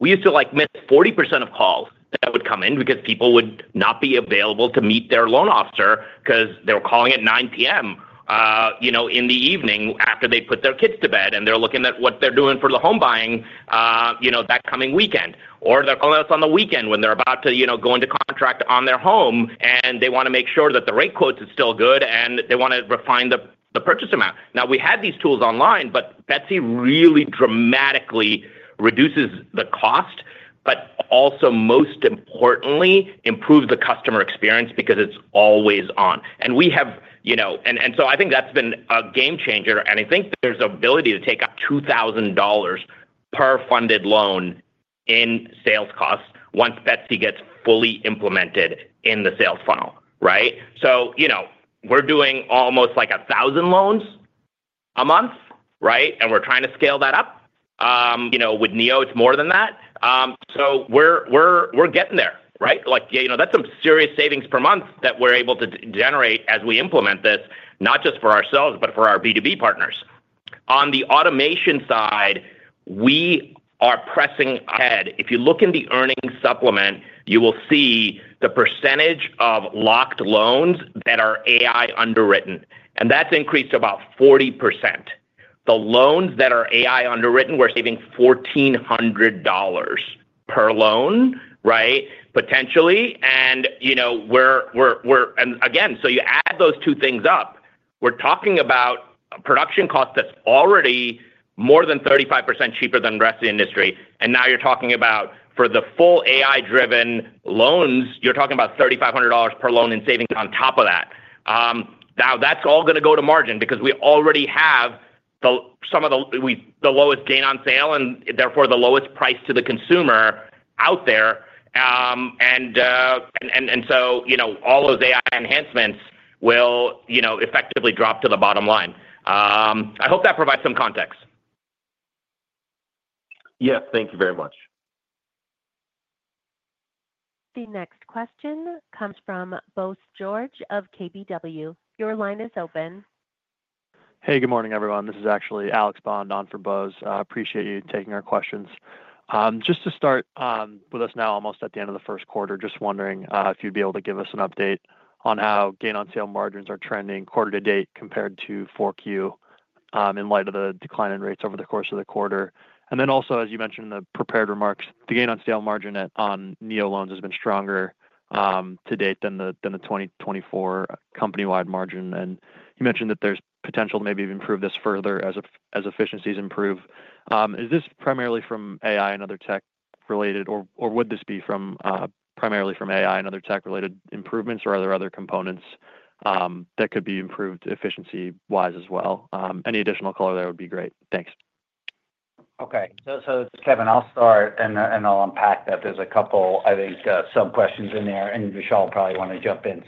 We used to miss 40% of calls that would come in because people would not be available to meet their loan officer because they were calling at 9:00 P.M. in the evening after they put their kids to bed, and they are looking at what they are doing for the home buying that coming weekend. Or they are calling us on the weekend when they are about to go into contract on their home, and they want to make sure that the rate quotes are still good, and they want to refine the purchase amount. Now, we had these tools online, but Betsy really dramatically reduces the cost, but also, most importantly, improves the customer experience because it is always on. We have—and I think that has been a game changer. I think there's an ability to take up $2,000 per funded loan in sales costs once Betsy gets fully implemented in the sales funnel, right? We're doing almost 1,000 loans a month, right? We're trying to scale that up. With Neo, it's more than that. We're getting there, right? That's some serious savings per month that we're able to generate as we implement this, not just for ourselves, but for our B2B partners. On the automation side, we are pressing ahead. If you look in the earnings supplement, you will see the percentage of locked loans that are AI underwritten. That's increased to about 40%. The loans that are AI underwritten, we're saving $1,400 per loan, right? Potentially. Again, you add those two things up. We're talking about a production cost that's already more than 35% cheaper than the rest of the industry. Now you're talking about for the full AI-driven loans, you're talking about $3,500 per loan in savings on top of that. That's all going to go to margin because we already have some of the lowest gain on sale and therefore the lowest price to the consumer out there. All those AI enhancements will effectively drop to the bottom line. I hope that provides some context. Yes. Thank you very much. The next question comes from Bose George of KBW. Your line is open. Hey, good morning, everyone. This is actually Alex Bond on for Bose. Appreciate you taking our questions. Just to start with us now, almost at the end of the first quarter, just wondering if you'd be able to give us an update on how gain on sale margins are trending quarter to date compared to 4Q in light of the decline in rates over the course of the quarter. Also, as you mentioned in the prepared remarks, the gain on sale margin on Neo loans has been stronger to date than the 2024 company-wide margin. You mentioned that there's potential to maybe improve this further as efficiencies improve. Is this primarily from AI and other tech related, or would this be primarily from AI and other tech related improvements, or are there other components that could be improved efficiency-wise as well? Any additional color there would be great. Thanks. Okay. Kevin, I'll start, and I'll unpack that. There's a couple, I think, sub-questions in there, and Vishal probably want to jump in.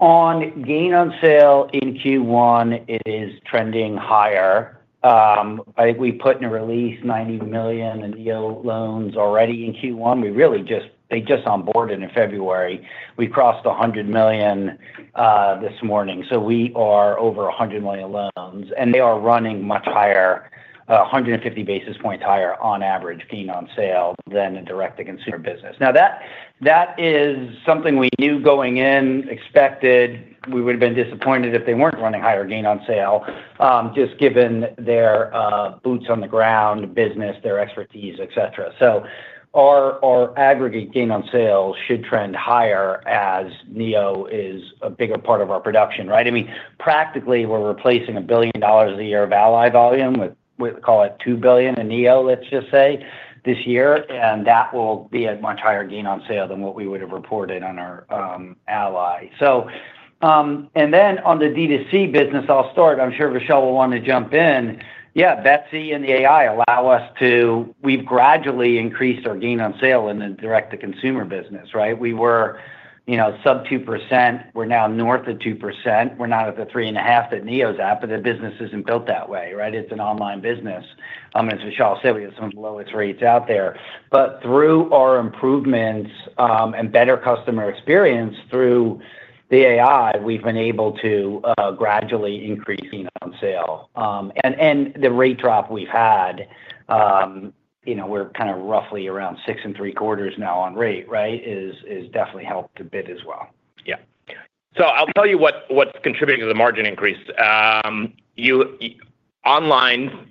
On gain on sale in Q1, it is trending higher. I think we put in a release $90 million in Neo loans already in Q1. They just onboarded in February. We crossed $100 million this morning. We are over $100 million loans, and they are running much higher, 150 basis points higher on average gain on sale than a direct-to-consumer business. That is something we knew going in, expected. We would have been disappointed if they weren't running higher gain on sale just given their boots on the ground business, their expertise, etc. Our aggregate gain on sales should trend higher as Neo is a bigger part of our production, right? I mean, practically, we're replacing a billion dollars a year of Ally volume with, we call it $2 billion in Neo, let's just say, this year. That will be a much higher gain on sale than what we would have reported on our Ally. On the D2C business, I'll start. I'm sure Vishal will want to jump in. Yeah, Betsy and the AI allow us to—we've gradually increased our gain on sale in the direct-to-consumer business, right? We were sub 2%. We're now north of 2%. We're not at the 3.5% that Neo's at, but the business isn't built that way, right? It's an online business. As Vishal said, we have some of the lowest rates out there. Through our improvements and better customer experience through the AI, we've been able to gradually increase gain on sale. The rate drop we've had, we're kind of roughly around 6.75% now on rate, right? Has definitely helped a bit as well. Yeah. I'll tell you what's contributing to the margin increase. Online,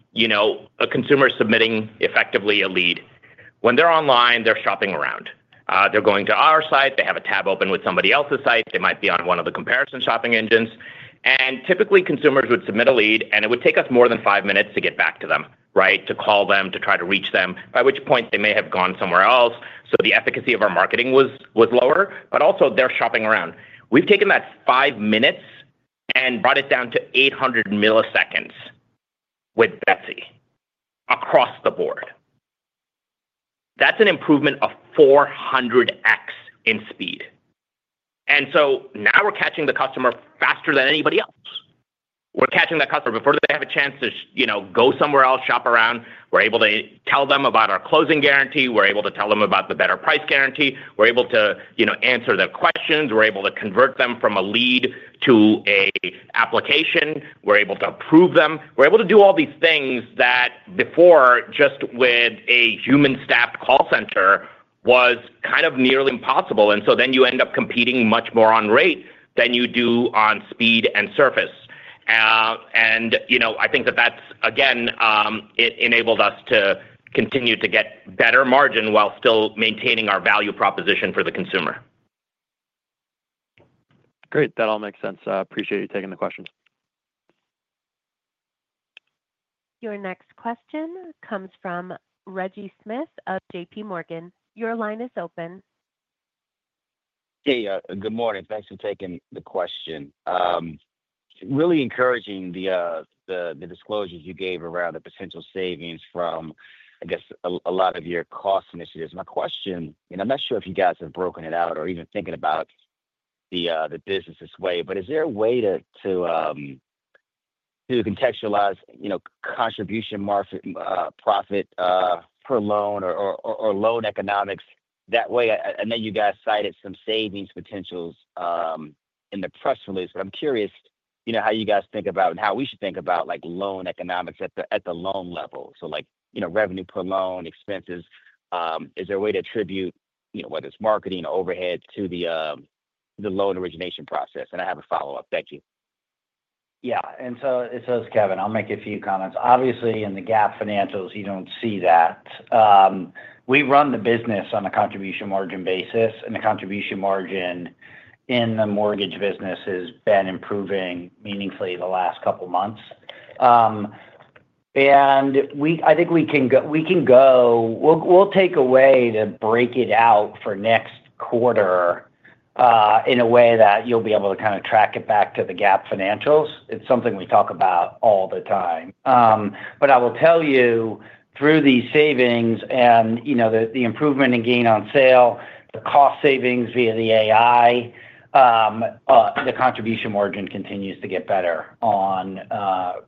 a consumer is submitting effectively a lead. When they're online, they're shopping around. They're going to our site. They have a tab open with somebody else's site. They might be on one of the comparison shopping engines. Typically, consumers would submit a lead, and it would take us more than five minutes to get back to them, right? To call them, to try to reach them, by which point they may have gone somewhere else. The efficacy of our marketing was lower, but also they're shopping around. We've taken that five minutes and brought it down to 800 milliseconds with Betsy across the board. That's an improvement of 400x in speed. Now we're catching the customer faster than anybody else. We're catching that customer before they have a chance to go somewhere else, shop around. We're able to tell them about our closing guarantee. We're able to tell them about the better price guarantee. We're able to answer their questions. We're able to convert them from a lead to an application. We're able to approve them. We're able to do all these things that before, just with a human-staffed call center, was kind of nearly impossible. You end up competing much more on rate than you do on speed and service. I think that that's, again, it enabled us to continue to get better margin while still maintaining our value proposition for the consumer. Great. That all makes sense. Appreciate you taking the questions. Your next question comes from Reggie Smith of JPMorgan. Your line is open. Hey, good morning. Thanks for taking the question. Really encouraging the disclosures you gave around the potential savings from, I guess, a lot of your cost initiatives. My question, and I'm not sure if you guys have broken it out or even thinking about the business this way, but is there a way to contextualize contribution profit per loan or loan economics that way? I know you guys cited some savings potentials in the press release, but I'm curious how you guys think about and how we should think about loan economics at the loan level. So revenue per loan, expenses, is there a way to attribute whether it's marketing or overhead to the loan origination process? I have a follow-up. Thank you. Yeah. It says, Kevin, I'll make a few comments. Obviously, in the GAAP financials, you don't see that. We run the business on a contribution margin basis, and the contribution margin in the mortgage business has been improving meaningfully the last couple of months. I think we can go—we'll take a way to break it out for next quarter in a way that you'll be able to kind of track it back to the GAAP financials. It's something we talk about all the time. I will tell you, through these savings and the improvement in gain on sale, the cost savings via the AI, the contribution margin continues to get better on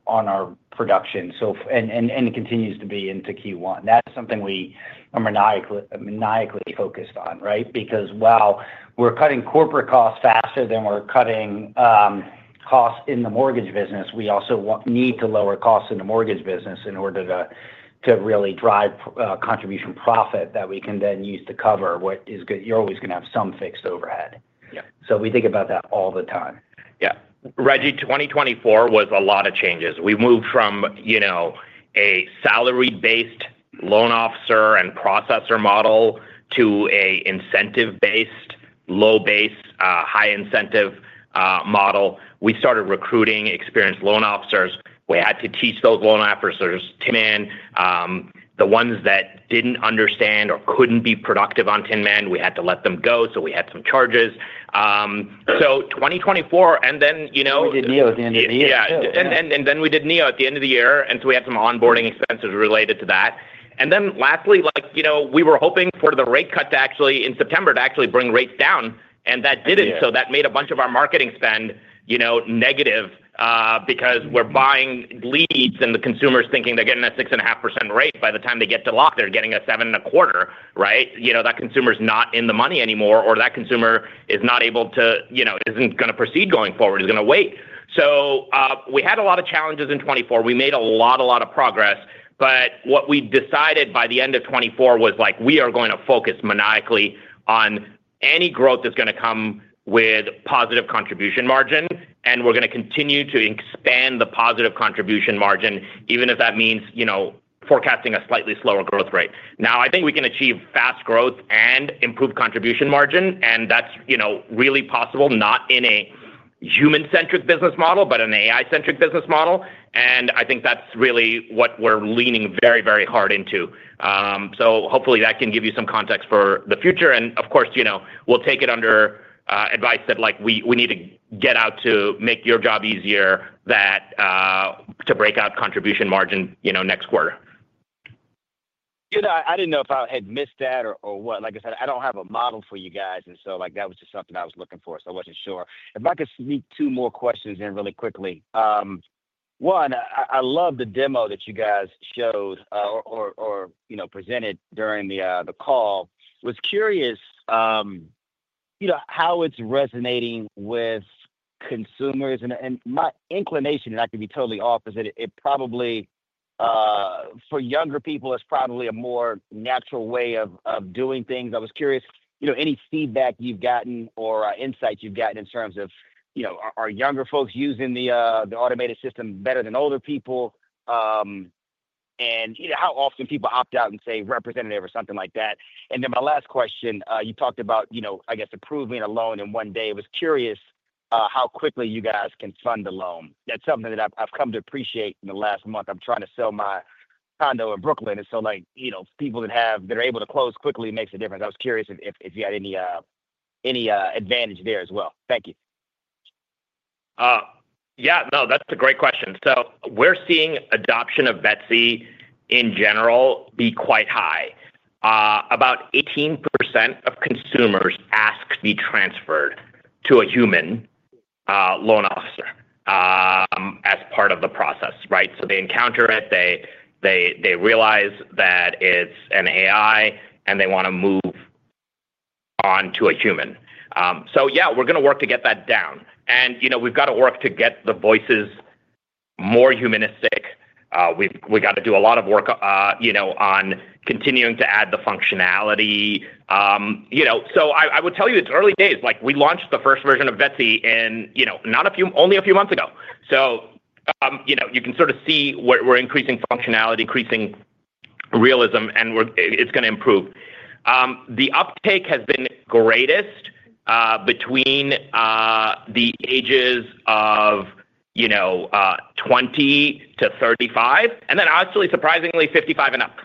our production, and it continues to be into Q1. That's something we are maniacally focused on, right? Because while we're cutting corporate costs faster than we're cutting costs in the mortgage business, we also need to lower costs in the mortgage business in order to really drive contribution profit that we can then use to cover what is good. You're always going to have some fixed overhead. We think about that all the time. Yeah. Reggie, 2024 was a lot of changes. We moved from a salary-based loan officer and processor model to an incentive-based, low-base, high-incentive model. We started recruiting experienced loan officers. We had to teach those loan officers Tin Man. The ones that didn't understand or couldn't be productive on Tin Man, we had to let them go. We had some charges. 2024, and then. We did Neo at the end of the year. Yeah. We did Neo at the end of the year. We had some onboarding expenses related to that. Lastly, we were hoping for the rate cut in September to actually bring rates down, and that did not. That made a bunch of our marketing spend negative because we're buying leads, and the consumer's thinking they're getting a 6.5% rate. By the time they get to lock, they're getting a 7.25% rate, right? That consumer's not in the money anymore, or that consumer is not able to—isn't going to proceed going forward. He's going to wait. We had a lot of challenges in 2024. We made a lot, a lot of progress. What we decided by the end of 2024 was we are going to focus maniacally on any growth that is going to come with positive contribution margin, and we are going to continue to expand the positive contribution margin, even if that means forecasting a slightly slower growth rate. I think we can achieve fast growth and improved contribution margin, and that is really possible, not in a human-centric business model, but an AI-centric business model. I think that is really what we are leaning very, very hard into. Hopefully, that can give you some context for the future. Of course, we will take it under advice that we need to get out to make your job easier to break out contribution margin next quarter. I didn't know if I had missed that or what. Like I said, I don't have a model for you guys. That was just something I was looking for. I wasn't sure. If I could sneak two more questions in really quickly. One, I love the demo that you guys showed or presented during the call. I was curious how it's resonating with consumers. My inclination—and I could be totally off—is that it probably for younger people, it's probably a more natural way of doing things. I was curious any feedback you've gotten or insights you've gotten in terms of are younger folks using the automated system better than older people? How often do people opt out and say representative or something like that? My last question, you talked about, I guess, approving a loan in one day. I was curious how quickly you guys can fund a loan. That's something that I've come to appreciate in the last month. I'm trying to sell my condo in Brooklyn. People that are able to close quickly makes a difference. I was curious if you had any advantage there as well. Thank you. Yeah. No, that's a great question. We're seeing adoption of Betsy in general be quite high. About 18% of consumers ask to be transferred to a human loan officer as part of the process, right? They encounter it. They realize that it's an AI, and they want to move on to a human. Yeah, we're going to work to get that down. We've got to work to get the voices more humanistic. We've got to do a lot of work on continuing to add the functionality. I would tell you it's early days. We launched the first version of Betsy not only a few months ago. You can sort of see we're increasing functionality, increasing realism, and it's going to improve. The uptake has been greatest between the ages of 20-35, and then actually surprisingly 55 and up,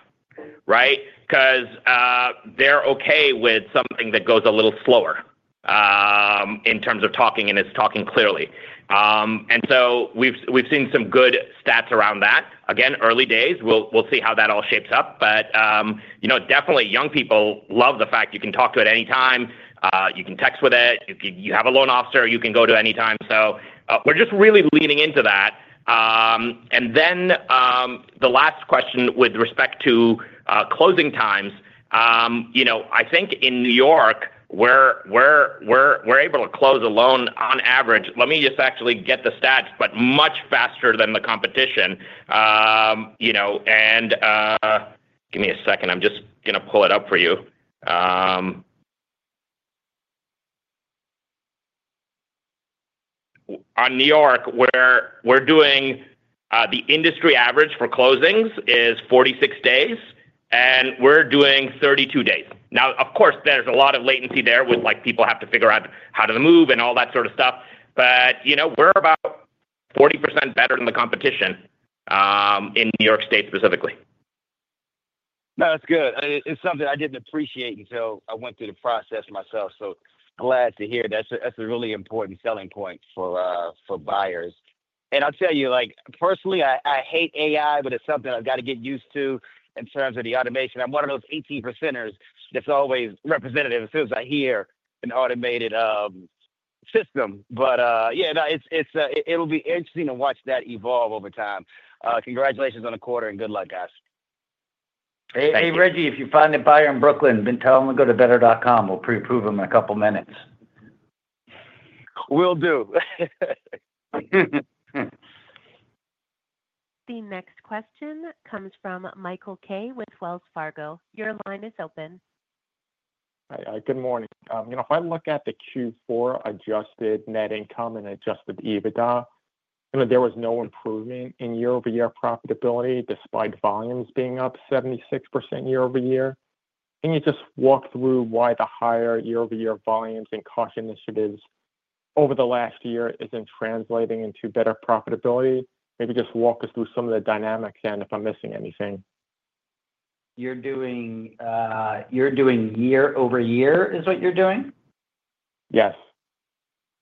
right? Because they're okay with something that goes a little slower in terms of talking and is talking clearly. We've seen some good stats around that. Again, early days. We'll see how that all shapes up. Young people love the fact you can talk to it anytime. You can text with it. You have a loan officer you can go to anytime. We're just really leaning into that. The last question with respect to closing times. I think in New York, we're able to close a loan on average—let me just actually get the stats—but much faster than the competition. Give me a second. I'm just going to pull it up for you. On New York, we're doing the industry average for closings is 46 days, and we're doing 32 days. Now, of course, there's a lot of latency there with people having to figure out how to move and all that sort of stuff. We are about 40% better than the competition in New York State specifically. No, that's good. It's something I didn't appreciate until I went through the process myself. Glad to hear that. That's a really important selling point for buyers. I'll tell you, personally, I hate AI, but it's something I've got to get used to in terms of the automation. I'm one of those 18%ers that's always representative as soon as I hear an automated system. Yeah, it'll be interesting to watch that evolve over time. Congratulations on the quarter, and good luck, guys. Hey, Reggie, if you find a buyer in Brooklyn, tell them to go to better.com. We'll pre-approve them in a couple of minutes. Will do. The next question comes from Michael Kaye with Wells Fargo. Your line is open. Hi. Good morning. If I look at the Q4 Adjusted net income and Adjusted EBITDA, there was no improvement in year-over-year profitability despite volumes being up 76% year-over-year. Can you just walk through why the higher year-over-year volumes and cost initiatives over the last year isn't translating into better profitability? Maybe just walk us through some of the dynamics and if I'm missing anything. You're doing year-over-year, is what you're doing? Yes.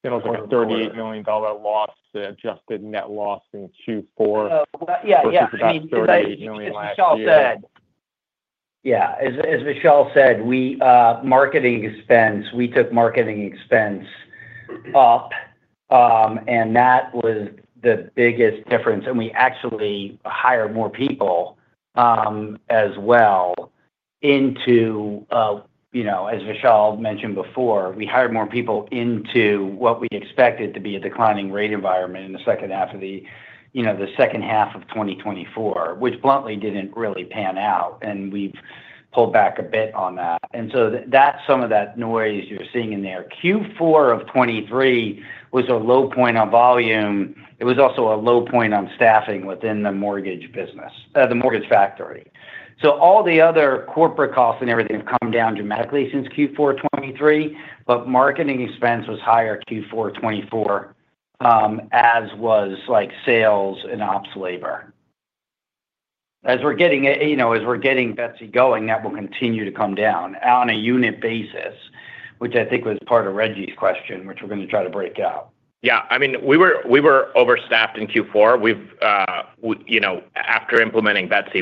It was a $38 million loss, Adjusted Net Loss in Q4 versus about $38 million last year. Yeah. As Vishal said, we took marketing expense up, and that was the biggest difference. We actually hired more people as well into, as Vishal mentioned before, we hired more people into what we expected to be a declining rate environment in the second half of the second half of 2024, which bluntly did not really pan out. We have pulled back a bit on that. That is some of that noise you are seeing in there. Q4 of 2023 was a low point on volume. It was also a low point on staffing within the mortgage business, the mortgage factory. All the other corporate costs and everything have come down dramatically since Q4 2023, but marketing expense was higher Q4 2024, as was sales and ops labor. As we're getting Betsy going, that will continue to come down on a unit basis, which I think was part of Reggie's question, which we're going to try to break out. Yeah. I mean, we were overstaffed in Q4. After implementing Betsy,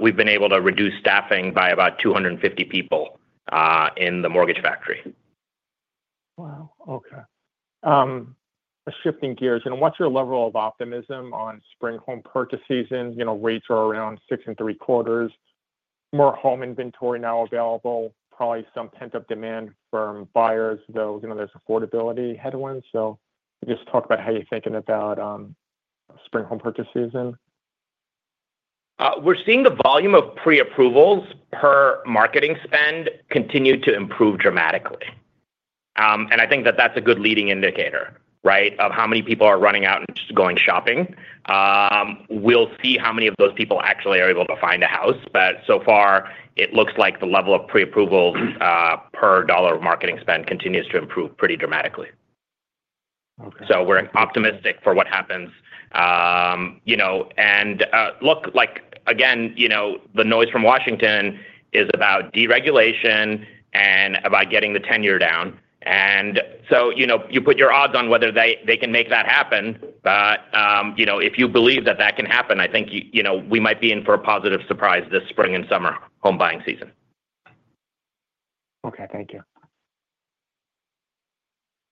we've been able to reduce staffing by about 250 people in the mortgage factory. Wow. Okay. Shifting gears. What's your level of optimism on spring home purchase season? Rates are around 6 and three quarters. More home inventory now available, probably some pent-up demand from buyers, though there's affordability headwinds. Just talk about how you're thinking about spring home purchase season. We're seeing the volume of pre-approvals per marketing spend continue to improve dramatically. I think that that's a good leading indicator, right, of how many people are running out and just going shopping. We'll see how many of those people actually are able to find a house. So far, it looks like the level of pre-approvals per dollar of marketing spend continues to improve pretty dramatically. We're optimistic for what happens. Look, again, the noise from Washington is about deregulation and about getting the tenure down. You put your odds on whether they can make that happen. If you believe that that can happen, I think we might be in for a positive surprise this spring and summer home buying season. Okay. Thank you.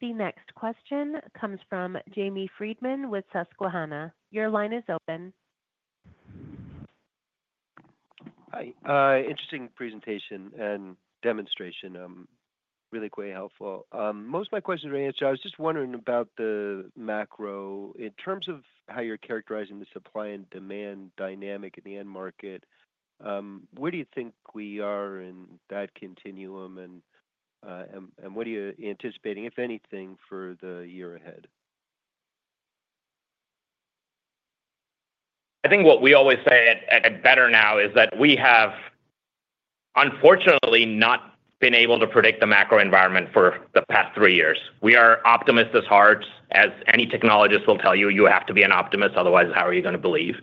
The next question comes from Jamie Friedman with Susquehanna. Your line is open. Hi. Interesting presentation and demonstration. Really quite helpful. Most of my questions were answered. I was just wondering about the macro. In terms of how you're characterizing the supply and demand dynamic in the end market, where do you think we are in that continuum? What are you anticipating, if anything, for the year ahead? I think what we always say at Better Now is that we have, unfortunately, not been able to predict the macro environment for the past three years. We are optimists as hard as any technologist will tell you. You have to be an optimist. Otherwise, how are you going to believe?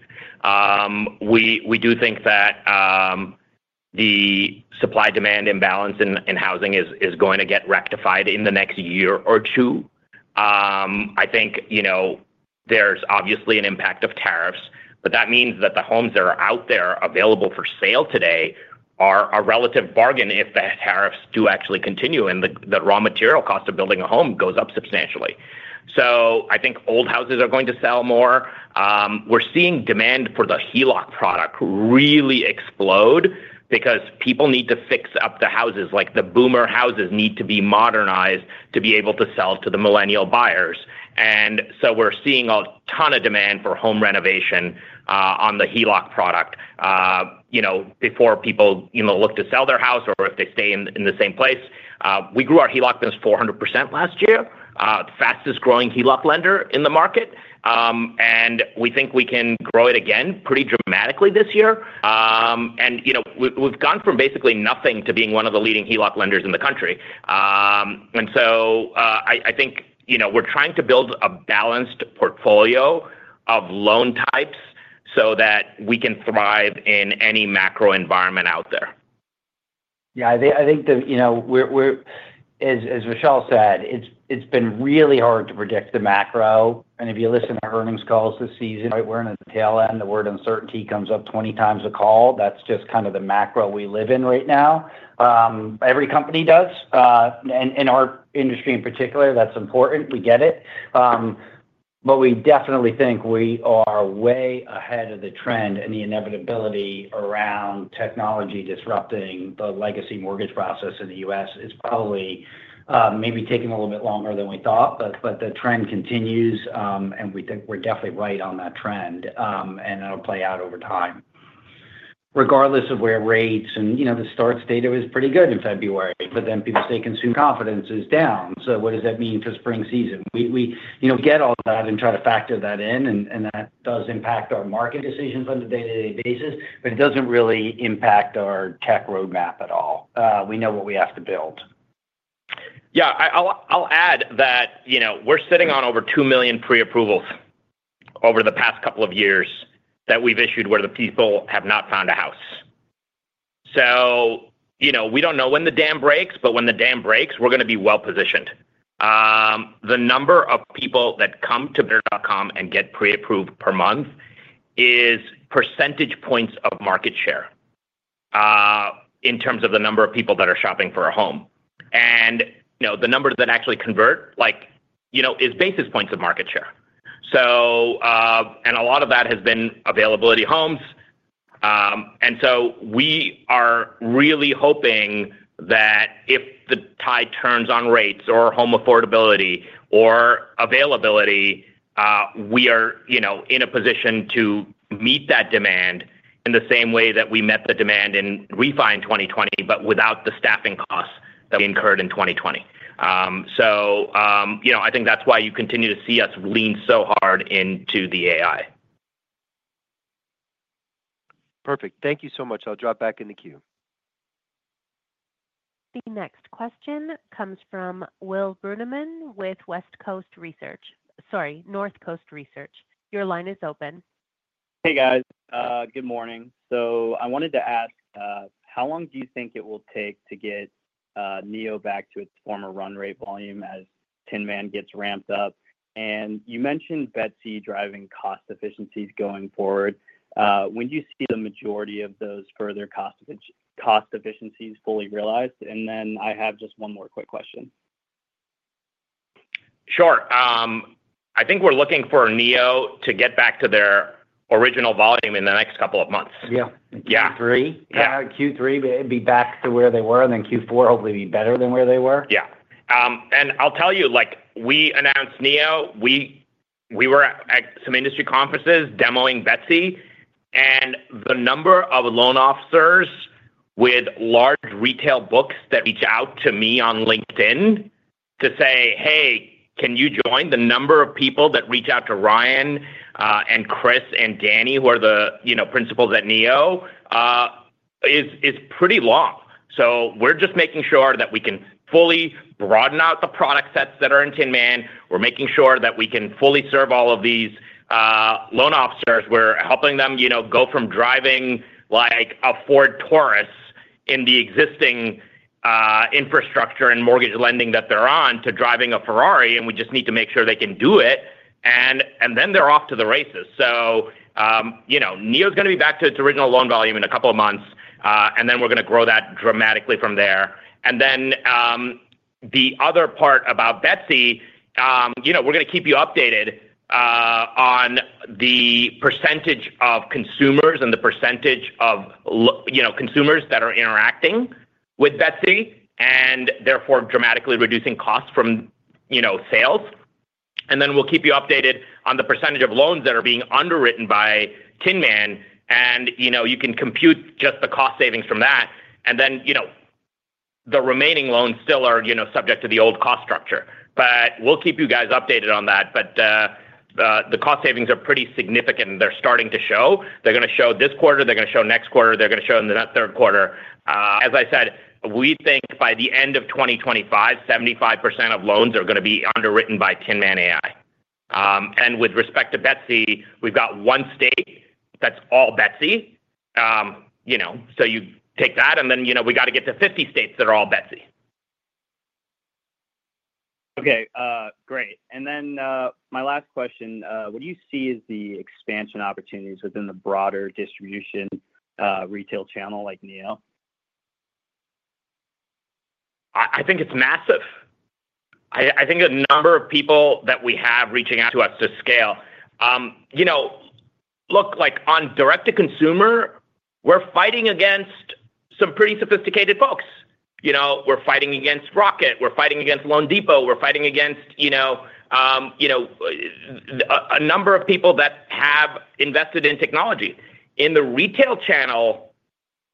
We do think that the supply-demand imbalance in housing is going to get rectified in the next year or two. I think there's obviously an impact of tariffs, but that means that the homes that are out there available for sale today are a relative bargain if the tariffs do actually continue and the raw material cost of building a home goes up substantially. I think old houses are going to sell more. We're seeing demand for the HELOC product really explode because people need to fix up the houses. The boomer houses need to be modernized to be able to sell to the millennial buyers. We're seeing a ton of demand for home renovation on the HELOC product before people look to sell their house or if they stay in the same place. We grew our HELOC to 400% last year, fastest-growing HELOC lender in the market. We think we can grow it again pretty dramatically this year. We've gone from basically nothing to being one of the leading HELOC lenders in the country. I think we're trying to build a balanced portfolio of loan types so that we can thrive in any macro environment out there. Yeah. I think that, as Vishal said, it's been really hard to predict the macro. If you listen to earnings calls this season, right, we're in the tail end. The word uncertainty comes up 20 times a call. That's just kind of the macro we live in right now. Every company does. In our industry in particular, that's important. We get it. We definitely think we are way ahead of the trend. The inevitability around technology disrupting the legacy mortgage process in the US is probably maybe taking a little bit longer than we thought. The trend continues, and we think we're definitely right on that trend. It'll play out over time. Regardless of where rates and the starts data was pretty good in February, but then people say consumer confidence is down. What does that mean for spring season? We get all that and try to factor that in. That does impact our market decisions on a day-to-day basis, but it doesn't really impact our tech roadmap at all. We know what we have to build. Yeah. I'll add that we're sitting on over 2 million pre-approvals over the past couple of years that we've issued where the people have not found a house. We do not know when the dam breaks, but when the dam breaks, we're going to be well-positioned. The number of people that come to better.com and get pre-approved per month is percentage points of market share in terms of the number of people that are shopping for a home. The numbers that actually convert is basis points of market share. A lot of that has been availability homes. We are really hoping that if the tide turns on rates or home affordability or availability, we are in a position to meet that demand in the same way that we met the demand in refi in 2020, but without the staffing costs that we incurred in 2020. I think that's why you continue to see us lean so hard into the AI. Perfect. Thank you so much. I'll drop back in the queue. The next question comes from Will Brunemann with Northcoast Research. Your line is open. Hey, guys. Good morning. I wanted to ask, how long do you think it will take to get Neo back to its former run rate volume as Tin Man gets ramped up? You mentioned Betsy driving cost efficiencies going forward. When do you see the majority of those further cost efficiencies fully realized? I have just one more quick question. Sure. I think we're looking for Neo to get back to their original volume in the next couple of months. Yeah. Q3? Yeah. Q3, it'd be back to where they were. Q4, hopefully, it'd be better than where they were? Yeah. I'll tell you, we announced NEO. We were at some industry conferences demoing Betsy. The number of loan officers with large retail books that reach out to me on LinkedIn to say, "Hey, can you join?" The number of people that reach out to Ryan and Chris and Danny, who are the principals at NEO, is pretty long. We are just making sure that we can fully broaden out the product sets that are in Tin Man. We are making sure that we can fully serve all of these loan officers. We are helping them go from driving a Ford Taurus in the existing infrastructure and mortgage lending that they are on to driving a Ferrari. We just need to make sure they can do it. They are off to the races. NEO is going to be back to its original loan volume in a couple of months. We are going to grow that dramatically from there. The other part about Betsy, we are going to keep you updated on the percentage of consumers and the percentage of consumers that are interacting with Betsy and therefore dramatically reducing costs from sales. We will keep you updated on the percentage of loans that are being underwritten by Tin Man. You can compute just the cost savings from that. The remaining loans still are subject to the old cost structure. We will keep you guys updated on that. The cost savings are pretty significant. They are starting to show. They are going to show this quarter. They are going to show next quarter. They are going to show in the third quarter. As I said, we think by the end of 2025, 75% of loans are going to be underwritten by Tin Man AI. With respect to Betsy, we've got one state that's all Betsy. You take that. Then we got to get to 50 states that are all Betsy. Okay. Great. My last question, what do you see as the expansion opportunities within the broader distribution retail channel like Neo? I think it's massive. I think the number of people that we have reaching out to us to scale. Look, on direct-to-consumer, we're fighting against some pretty sophisticated folks. We're fighting against Rocket. We're fighting against LoanDepot. We're fighting against a number of people that have invested in technology. In the retail channel,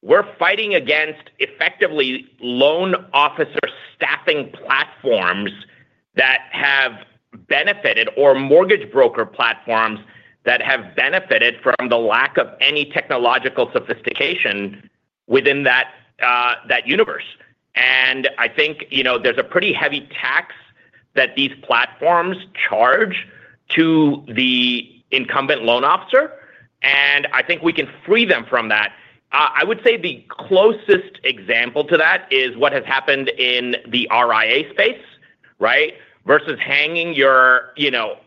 we're fighting against, effectively, loan officer staffing platforms that have benefited or mortgage broker platforms that have benefited from the lack of any technological sophistication within that universe. I think there's a pretty heavy tax that these platforms charge to the incumbent loan officer. I think we can free them from that. I would say the closest example to that is what has happened in the RIA space, right, versus hanging your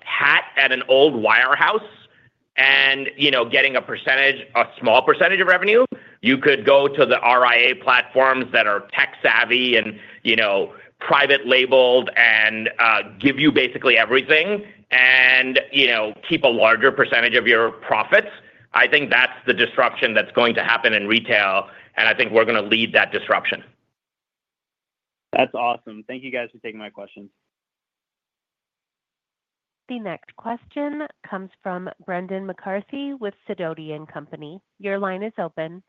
hat at an old wirehouse and getting a small percentage of revenue. You could go to the RIA platforms that are tech-savvy and private-labeled and give you basically everything and keep a larger percentage of your profits. I think that's the disruption that's going to happen in retail. I think we're going to lead that disruption. That's awesome. Thank you, guys, for taking my questions. The next question comes from Brendan McCarthy with Sidoti & Company. Your line is open.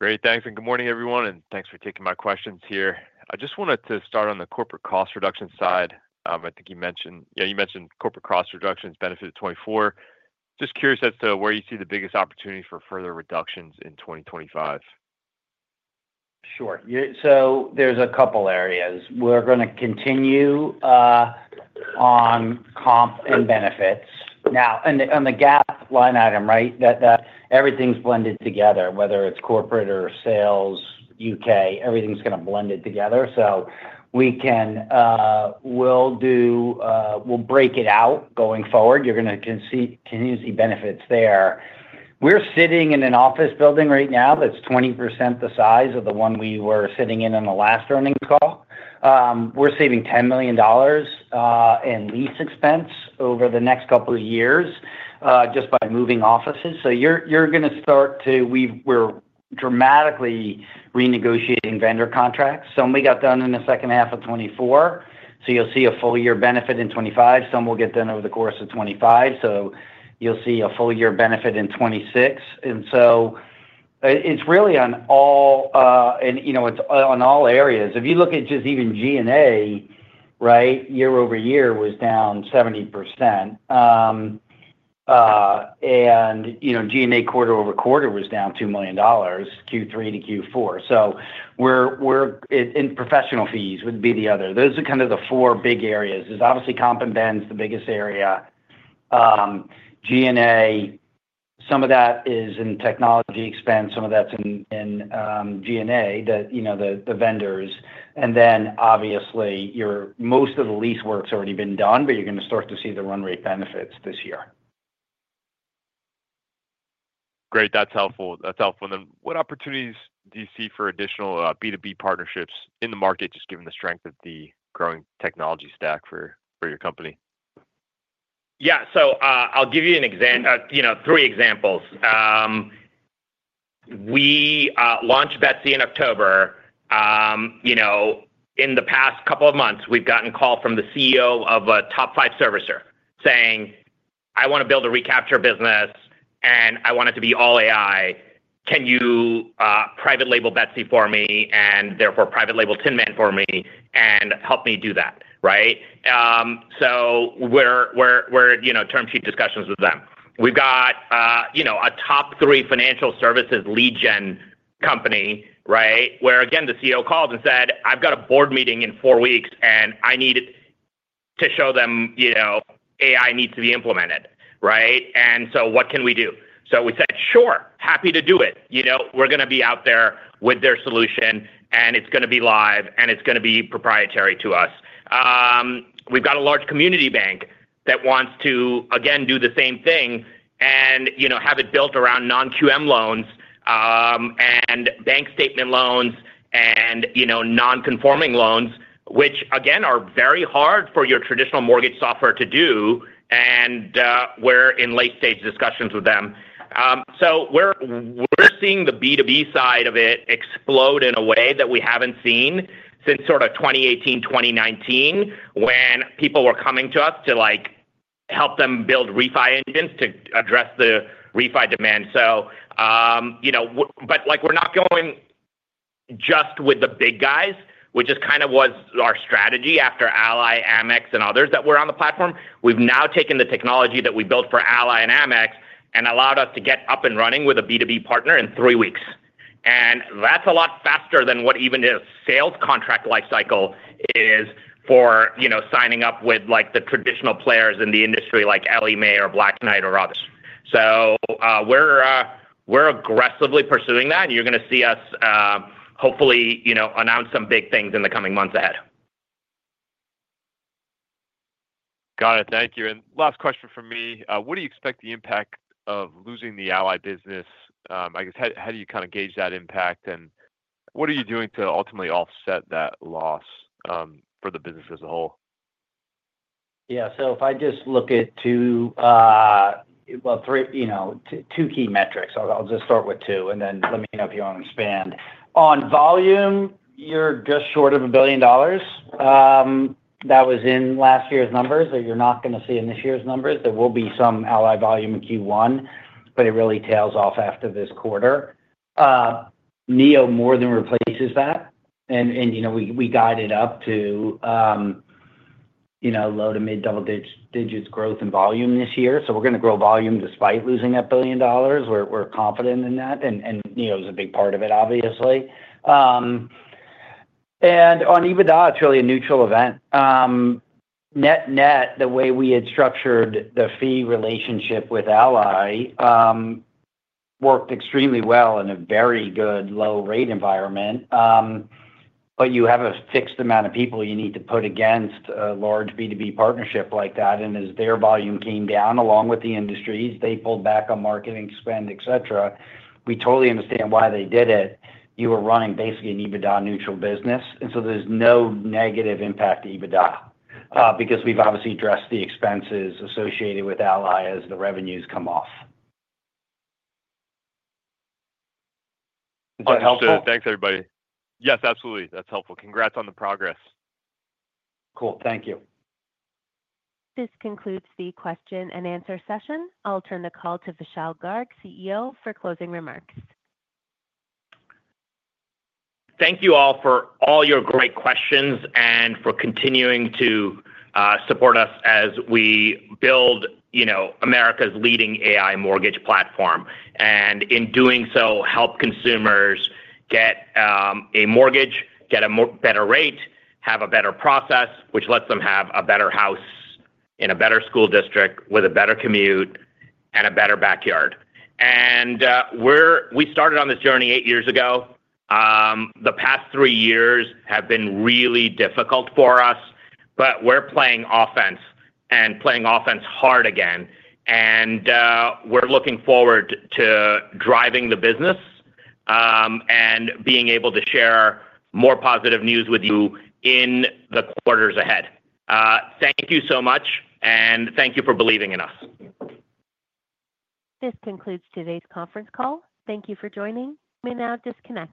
Great. Thanks. Good morning, everyone. Thanks for taking my questions here. I just wanted to start on the corporate cost reduction side. I think you mentioned corporate cost reductions, benefit of 2024. Just curious as to where you see the biggest opportunity for further reductions in 2025. Sure. There are a couple of areas. We're going to continue on comp and benefits. Now, on the GAAP line item, right, everything's blended together, whether it's corporate or sales, U.K., everything's blended together. We'll break it out going forward. You're going to continue to see benefits there. We're sitting in an office building right now that's 20% the size of the one we were sitting in on the last earnings call. We're saving $10 million in lease expense over the next couple of years just by moving offices. You're going to start to—we're dramatically renegotiating vendor contracts. Some we got done in the second half of 2024. You'll see a full-year benefit in 2025. Some we'll get done over the course of 2025. You'll see a full-year benefit in 2026. It's really on all—and it's on all areas. If you look at just even G&A, right, year-over-year was down 70%. And G&A quarter-over- quarter was down $2 million Q3 to Q4. In professional fees would be the other. Those are kind of the four big areas. There's obviously comp and ben's the biggest area. G&A, some of that is in technology expense. Some of that's in G&A, the vendors. Obviously, most of the lease work's already been done, but you're going to start to see the run rate benefits this year. Great. That's helpful. That's helpful. What opportunities do you see for additional B2B partnerships in the market, just given the strength of the growing technology stack for your company? Yeah. I'll give you three examples. We launched Betsy in October. In the past couple of months, we've gotten a call from the CEO of a top-five servicer saying, "I want to build a recapture business, and I want it to be all AI. Can you private label Betsy for me and, therefore, private label Tin Man for me and help me do that?" Right? We're in term sheet discussions with them. We've got a top-three financial services lead gen company, right, where, again, the CEO called and said, "I've got a board meeting in four weeks, and I need to show them AI needs to be implemented." Right? What can we do? We said, "Sure. Happy to do it." We're going to be out there with their solution, and it's going to be live, and it's going to be proprietary to us. We've got a large community bank that wants to, again, do the same thing and have it built around non-QM loans and bank statement loans and non-conforming loans, which, again, are very hard for your traditional mortgage software to do. We're in late-stage discussions with them. We're seeing the B2B side of it explode in a way that we haven't seen since sort of 2018, 2019, when people were coming to us to help them build refi engines to address the refi demand. We're not going just with the big guys, which just kind of was our strategy after Ally, Amex, and others that were on the platform. We've now taken the technology that we built for Ally and Amex and allowed us to get up and running with a B2B partner in three weeks. That is a lot faster than what even a sales contract lifecycle is for signing up with the traditional players in the industry like Ellie Mae or Black Knight or others. We are aggressively pursuing that. You are going to see us, hopefully, announce some big things in the coming months ahead. Got it. Thank you. Last question for me. What do you expect the impact of losing the Ally business? I guess, how do you kind of gauge that impact? What are you doing to ultimately offset that loss for the business as a whole? Yeah. If I just look at two—well, two key metrics. I'll just start with two, and then let me know if you want to expand. On volume, you're just short of $1 billion. That was in last year's numbers that you're not going to see in this year's numbers. There will be some Ally volume in Q1, but it really tails off after this quarter. Neo more than replaces that. We guided up to low to mid-double digits growth in volume this year. We're going to grow volume despite losing that $1 billion. We're confident in that. Neo is a big part of it, obviously. On EBITDA, it's really a neutral event. Net-net, the way we had structured the fee relationship with Ally worked extremely well in a very good low-rate environment. You have a fixed amount of people you need to put against a large B2B partnership like that. As their volume came down along with the industry's, they pulled back on marketing spend, etc. We totally understand why they did it. You were running basically an EBITDA-neutral business. There is no negative impact to EBITDA because we have obviously addressed the expenses associated with Ally as the revenues come off. That's helpful. Thanks, everybody. Yes, absolutely. That's helpful. Congrats on the progress. Cool. Thank you. This concludes the question and answer session. I'll turn the call to Vishal Garg, CEO, for closing remarks. Thank you all for all your great questions and for continuing to support us as we build America's leading AI mortgage platform. In doing so, help consumers get a mortgage, get a better rate, have a better process, which lets them have a better house in a better school district with a better commute and a better backyard. We started on this journey eight years ago. The past three years have been really difficult for us, but we're playing offense and playing offense hard again. We're looking forward to driving the business and being able to share more positive news with you in the quarters ahead. Thank you so much, and thank you for believing in us. This concludes today's conference call. Thank you for joining. We now disconnect.